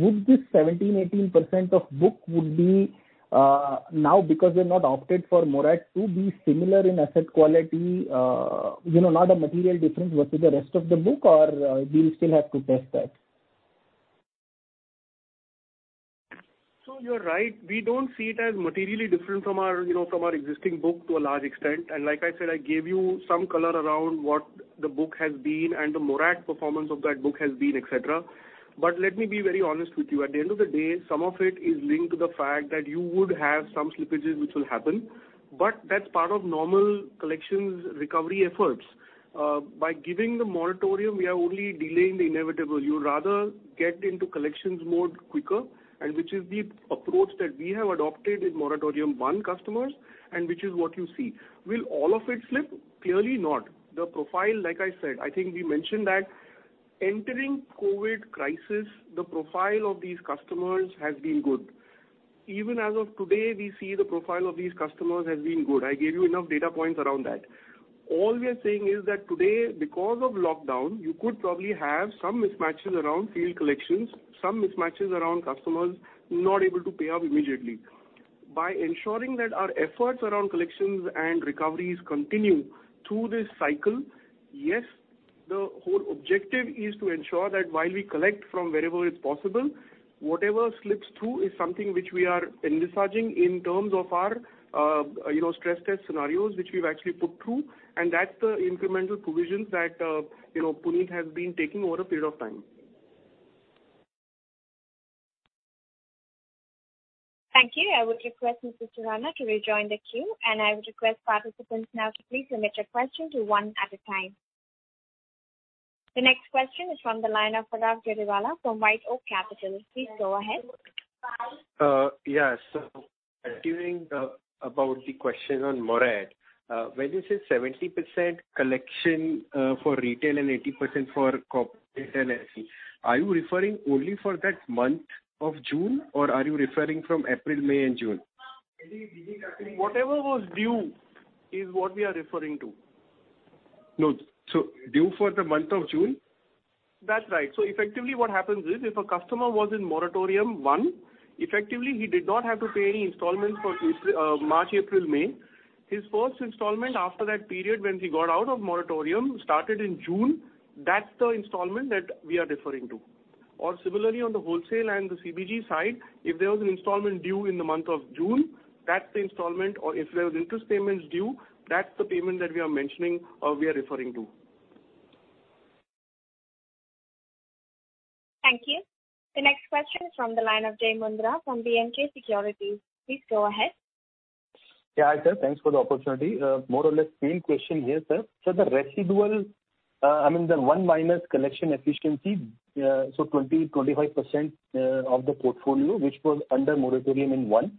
Speaker 3: would this 17%-18% of book would be now because they've not opted for moratorium 2 be similar in asset quality, not a material difference versus the rest of the book, or we'll still have to test that?
Speaker 1: So you're right. We don't see it as materially different from our existing book to a large extent. And like I said, I gave you some color around what the book has been and the moratorium performance of that book has been, etc. But let me be very honest with you. At the end of the day, some of it is linked to the fact that you would have some slippages which will happen. But that's part of normal collections recovery efforts. By giving the moratorium, we are only delaying the inevitable. You'd rather get into collections mode quicker, and which is the approach that we have adopted in Moratorium One customers and which is what you see. Will all of it slip? Clearly, not. The profile, like I said I think we mentioned that entering COVID crisis, the profile of these customers has been good. Even as of today, we see the profile of these customers has been good. I gave you enough data points around that. All we are saying is that today, because of lockdown, you could probably have some mismatches around field collections, some mismatches around customers not able to pay up immediately. By ensuring that our efforts around collections and recoveries continue through this cycle, yes, the whole objective is to ensure that while we collect from wherever it's possible, whatever slips through is something which we are envisaging in terms of our stress test scenarios which we've actually put through. And that's the incremental provisions that Puneet has been taking over a period of time.
Speaker 4: Thank you. I would request Mr. Parasrampuria to rejoin the queue. I would request participants now to please submit your question one at a time. The next question is from the line of [inaudible] from White Oak Capital. Please go ahead.
Speaker 12: Yes. So about the question on moratorium, when you say 70% collection for retail and 80% for corporate and SC, are you referring only for that month of June, or are you referring from April, May, and June?
Speaker 1: Whatever was due is what we are referring to.
Speaker 12: No. So due for the month of June?
Speaker 1: That's right. So effectively, what happens is if a customer was in Moratorium 1, effectively, he did not have to pay any installments for March, April, May. His first installment after that period when he got out of moratorium started in June, that's the installment that we are referring to. Or similarly, on the wholesale and the CBG side, if there was an installment due in the month of June, that's the installment. Or if there was interest payments due, that's the payment that we are mentioning or we are referring to.
Speaker 4: Thank you. The next question is from the line of Jai Mundhra from B&K Securities. Please go ahead.
Speaker 13: Yeah, hi sir. Thanks for the opportunity. More or less, main question here, sir. So the residual I mean, the 1 minus collection efficiency, so 20%-25% of the portfolio which was under moratorium 1,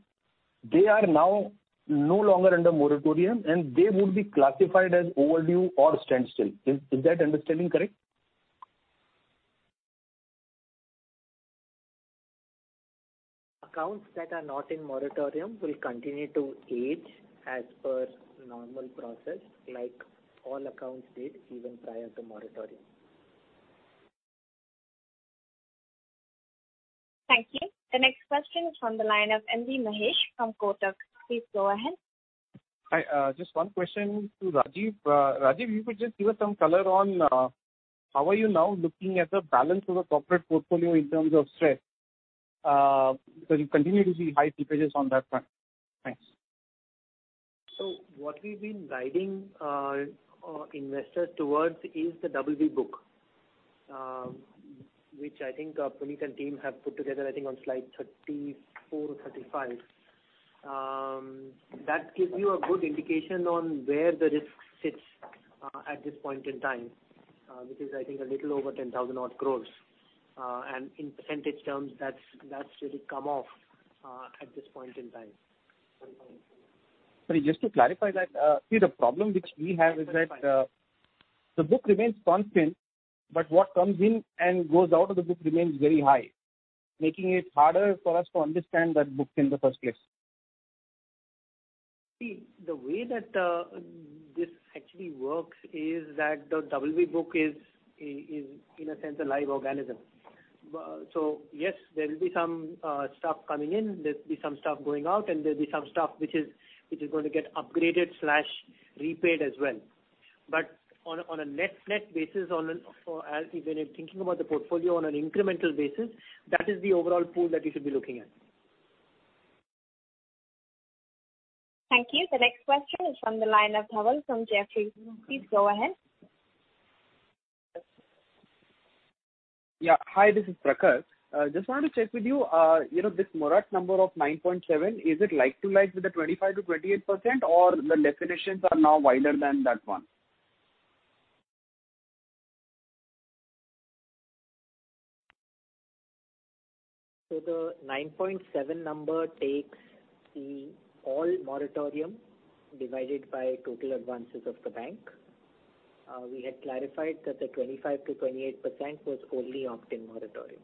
Speaker 13: they are now no longer under moratorium, and they would be classified as overdue or standstill. Is that understanding correct?
Speaker 3: Accounts that are not in moratorium will continue to age as per normal process like all accounts did even prior to moratorium.
Speaker 4: Thank you. The next question is from the line of M.B. Mahesh from Kotak. Please go ahead.
Speaker 14: Hi. Just one question to Rajiv. Rajiv, you could just give us some color on how are you now looking at the balance of the corporate portfolio in terms of stress because you continue to see high slippages on that front. Thanks.
Speaker 15: What we've been guiding investors towards is the BB and below book, which I think Puneet and team have put together, I think, on slide 34 or 35. That gives you a good indication on where the risk sits at this point in time, which is, I think, a little over 10,000-odd crore. And in percentage terms, that's really come off at this point in time.
Speaker 1: Sorry, just to clarify that, see, the problem which we have is that the book remains constant, but what comes in and goes out of the book remains very high, making it harder for us to understand that book in the first place.
Speaker 14: See, the way that this actually works is that the BB and Below book is, in a sense, a live organism. So yes, there will be some stuff coming in. There'll be some stuff going out, and there'll be some stuff which is going to get upgraded/repaid as well. But on a net basis, when you're thinking about the portfolio on an incremental basis, that is the overall pool that you should be looking at.
Speaker 4: Thank you. The next question is from the line of Dhaval from Jefferies. Please go ahead.
Speaker 16: Yeah. Hi, this is Prakash. Just wanted to check with you. This Morat number of 9.7, is it like-for-like with the 25%-28%, or the definitions are now wider than that one?
Speaker 3: The 9.7 number takes the all moratorium divided by total advances of the bank. We had clarified that the 25%-28% was only opt-in moratorium.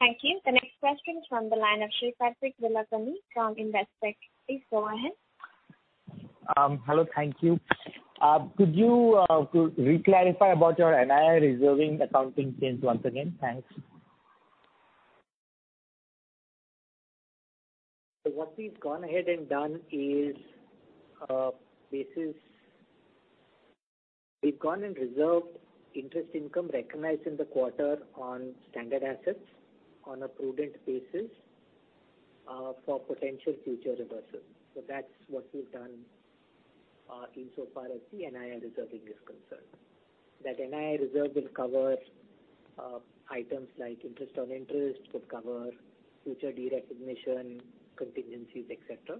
Speaker 4: Thank you. The next question is from the line of Sri Karthik Velamakanni from Investec. Please go ahead.
Speaker 17: Hello. Thank you. Could you reclarify about your NII reserving accounting change once again? Thanks.
Speaker 1: So what we've gone ahead and done is, basis we've gone and reserved interest income recognized in the quarter on standard assets on a prudent basis for potential future reversal. So that's what we've done insofar as the NII reserving is concerned. That NII reserve will cover items like interest on interest, would cover future de-recognition, contingencies, etc.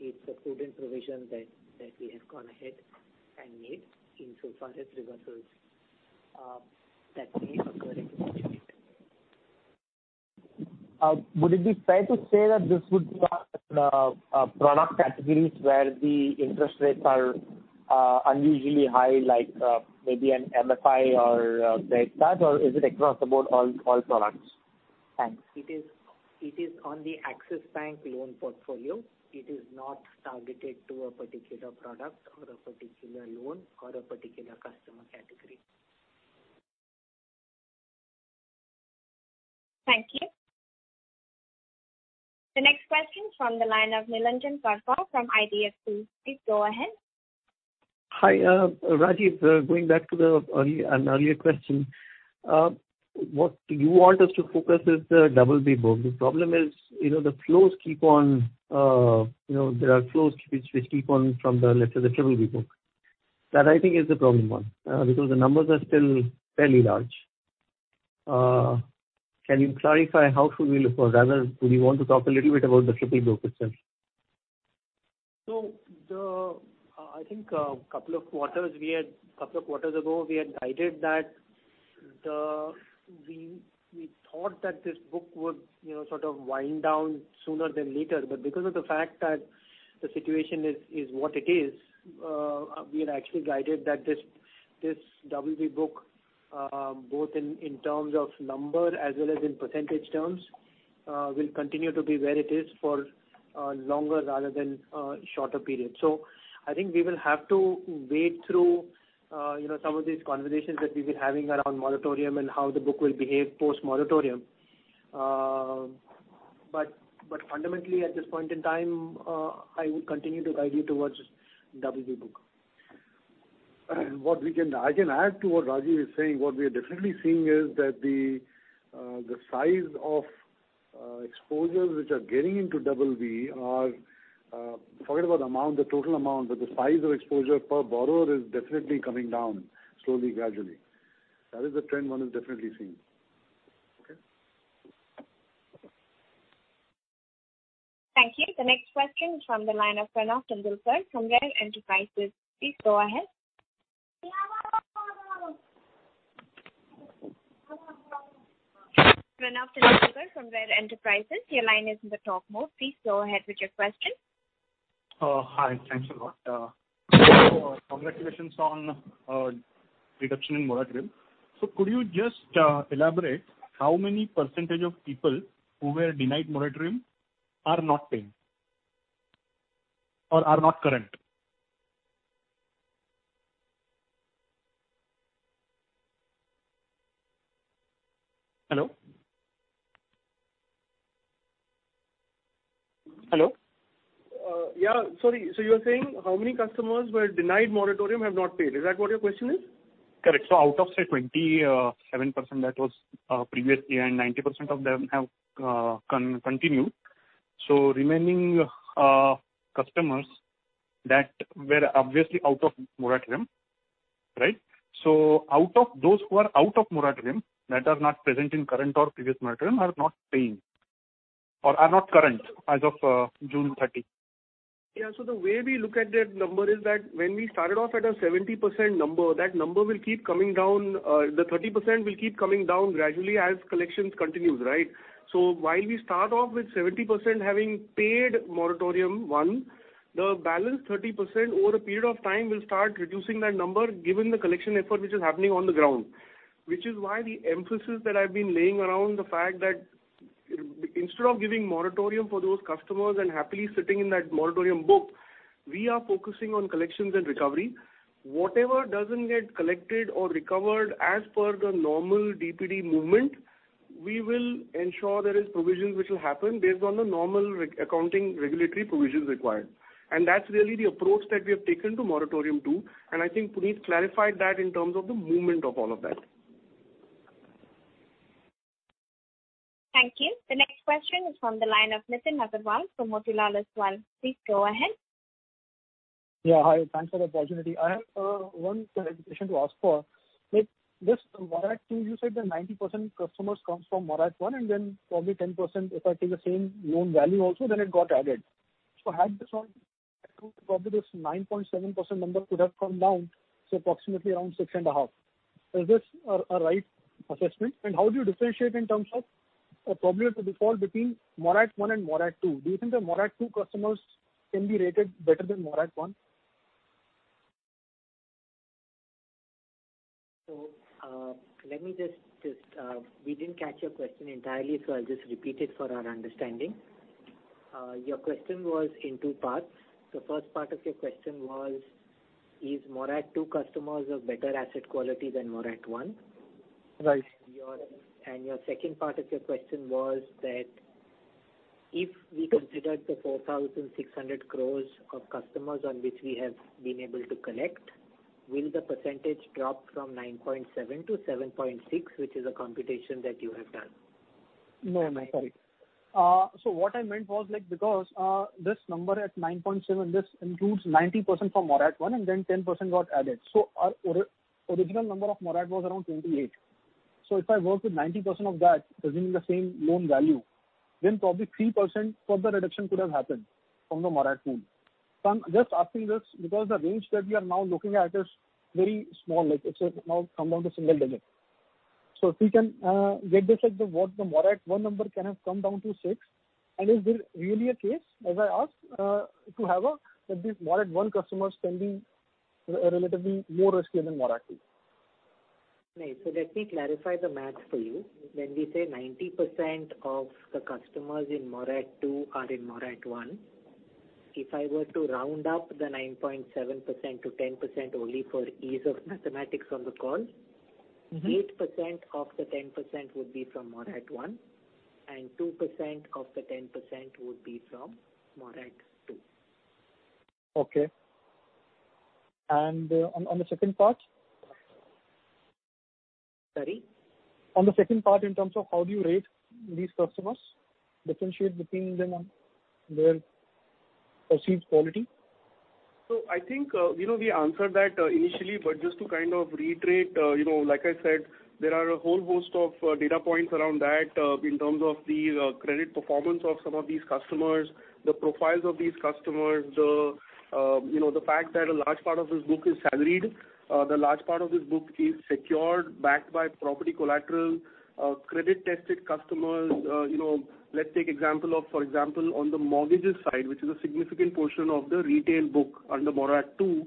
Speaker 1: It's a prudent provision that we have gone ahead and made insofar as reversals that may occur at the future.
Speaker 17: Would it be fair to say that this would be a product category where the interest rates are unusually high, like maybe an MFI or credit card, or is it across about all products?
Speaker 3: Thanks. It is on the Axis Bank loan portfolio. It is not targeted to a particular product or a particular loan or a particular customer category.
Speaker 4: Thank you. The next question is from the line of Nilanjan Karfa from IDFC. Please go ahead.
Speaker 18: Hi, Rajiv. Going back to an earlier question, what you want us to focus is the BB book. The problem is the flows keep on from the, let's say, the BBB book. That, I think, is the problem one because the numbers are still fairly large. Can you clarify how should we look or rather, do we want to talk a little bit about the BBB book itself?
Speaker 15: So I think a couple of quarters we had a couple of quarters ago, we had guided that we thought that this book would sort of wind down sooner than later. But because of the fact that the situation is what it is, we had actually guided that this BB book, both in terms of number as well as in percentage terms, will continue to be where it is for longer rather than shorter periods. So I think we will have to wait through some of these conversations that we've been having around moratorium and how the book will behave post-moratorium. But fundamentally, at this point in time, I would continue to guide you towards BB book.
Speaker 1: What I can add to what Rajiv is saying, what we are definitely seeing is that the size of exposures which are getting into BB are forget about the amount, the total amount, but the size of exposure per borrower is definitely coming down slowly, gradually. That is the trend one is definitely seeing.
Speaker 18: Okay.
Speaker 4: Thank you. The next question is from the line of Pranav Tendolkar from Rare Enterprises. Please go ahead. Pranav Tendolkar from Rare Enterprises. Your line is in the talk mode. Please go ahead with your question.
Speaker 19: Hi. Thanks a lot. So congratulations on reduction in moratorium. So could you just elaborate how many percentage of people who were denied moratorium are not paying or are not current? Hello? Hello?
Speaker 1: Yeah. Sorry. So you are saying how many customers were denied moratorium have not paid. Is that what your question is?
Speaker 19: Correct. So out of, say, 27% that was previously, and 90% of them have continued. So remaining customers that were obviously out of moratorium, right? So out of those who are out of moratorium that are not present in current or previous moratorium are not paying or are not current as of June 30.
Speaker 3: Yeah. So the way we look at that number is that when we started off at a 70% number, that number will keep coming down, the 30% will keep coming down gradually as collections continues, right? So while we start off with 70% having paid Moratorium 1, the balance 30% over a period of time will start reducing that number given the collection effort which is happening on the ground, which is why the emphasis that I've been laying around the fact that instead of giving moratorium for those customers and happily sitting in that moratorium book, we are focusing on collections and recovery. Whatever doesn't get collected or recovered as per the normal DPD movement, we will ensure there is provisions which will happen based on the normal accounting regulatory provisions required. And that's really the approach that we have taken to Moratorium 2.
Speaker 1: I think Puneet clarified that in terms of the movement of all of that.
Speaker 4: Thank you. The next question is from the line of Nitin Aggarwal from Motilal Oswal. Please go ahead.
Speaker 20: Yeah. Hi. Thanks for the opportunity. I have one clarification to ask for. This Morat 2, you said the 90% customers comes from Morat 1, and then probably 10% if I take the same loan value also, then it got added. So had this one added too, probably this 9.7% number could have come down to approximately around 6.5. Is this a right assessment? And how do you differentiate in terms of probability of default between Morat 1 and Morat 2? Do you think the Morat 2 customers can be rated better than Morat 1?
Speaker 3: So let me just, we didn't catch your question entirely, so I'll just repeat it for our understanding. Your question was in two parts. The first part of your question was, "Is Morat 2 customers of better asset quality than Morat 1?" And your second part of your question was that, "If we considered the 4,600 crore of customers on which we have been able to collect, will the percentage drop from 9.7% to 7.6%," which is a computation that you have done.
Speaker 1: No, no. Sorry. So what I meant was because this number at 9.7, this includes 90% from Morat 1, and then 10% got added. So our original number of Morat was around 28. So if I work with 90% of that presuming the same loan value, then probably 3% further reduction could have happened from the Morat pool. So I'm just asking this because the range that we are now looking at is very small. It's now come down to single digit. So if we can get this, what the Morat 1 number can have come down to 6. And is it really a case, as I asked, to have a that these Morat 1 customers can be relatively more riskier than Morat 2?
Speaker 3: Okay. So let me clarify the math for you. When we say 90% of the customers in Morat 2 are in Morat 1, if I were to round up the 9.7% to 10% only for ease of mathematics on the call, 8% of the 10% would be from Morat 1, and 2% of the 10% would be from Morat 2.
Speaker 20: Okay. And on the second part?
Speaker 3: Sorry?
Speaker 20: On the second part in terms of how do you rate these customers, differentiate between them on their perceived quality?
Speaker 1: So I think we answered that initially, but just to kind of reiterate, like I said, there are a whole host of data points around that in terms of the credit performance of some of these customers, the profiles of these customers, the fact that a large part of this book is salaried, the large part of this book is secured backed by property collateral, credit-tested customers. Let's take example of, for example, on the mortgages side, which is a significant portion of the retail book under Morat 2,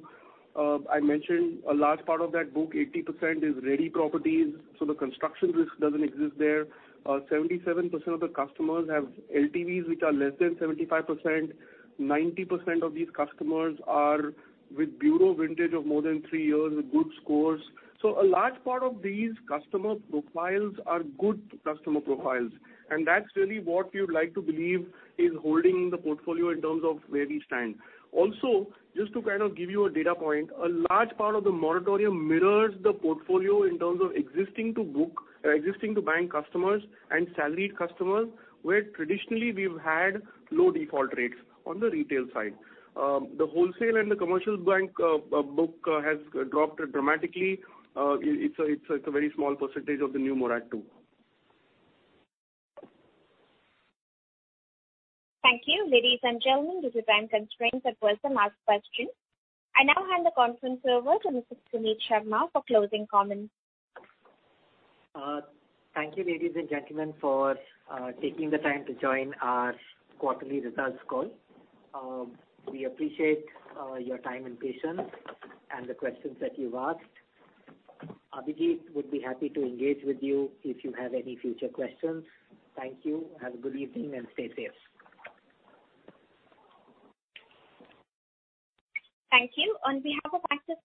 Speaker 1: I mentioned a large part of that book, 80% is ready properties, so the construction risk doesn't exist there. 77% of the customers have LTVs which are less than 75%. 90% of these customers are with bureau vintage of more than three years with good scores. So a large part of these customer profiles are good customer profiles. And that's really what we would like to believe is holding the portfolio in terms of where we stand. Also, just to kind of give you a data point, a large part of the moratorium mirrors the portfolio in terms of existing-to-book existing-to-bank customers and salaried customers where traditionally, we've had low default rates on the retail side. The wholesale and the commercial bank book has dropped dramatically. It's a very small percentage of the new Moratorium 2.
Speaker 4: Thank you, ladies and gentlemen. Due to time constraints, that was the last question. I now hand the conference over to Mr. Puneet Sharma for closing comments.
Speaker 3: Thank you, ladies and gentlemen, for taking the time to join our quarterly results call. We appreciate your time and patience and the questions that you've asked. Abhijit would be happy to engage with you if you have any future questions. Thank you. Have a good evening, and stay safe.
Speaker 4: Thank you. On behalf of Axis.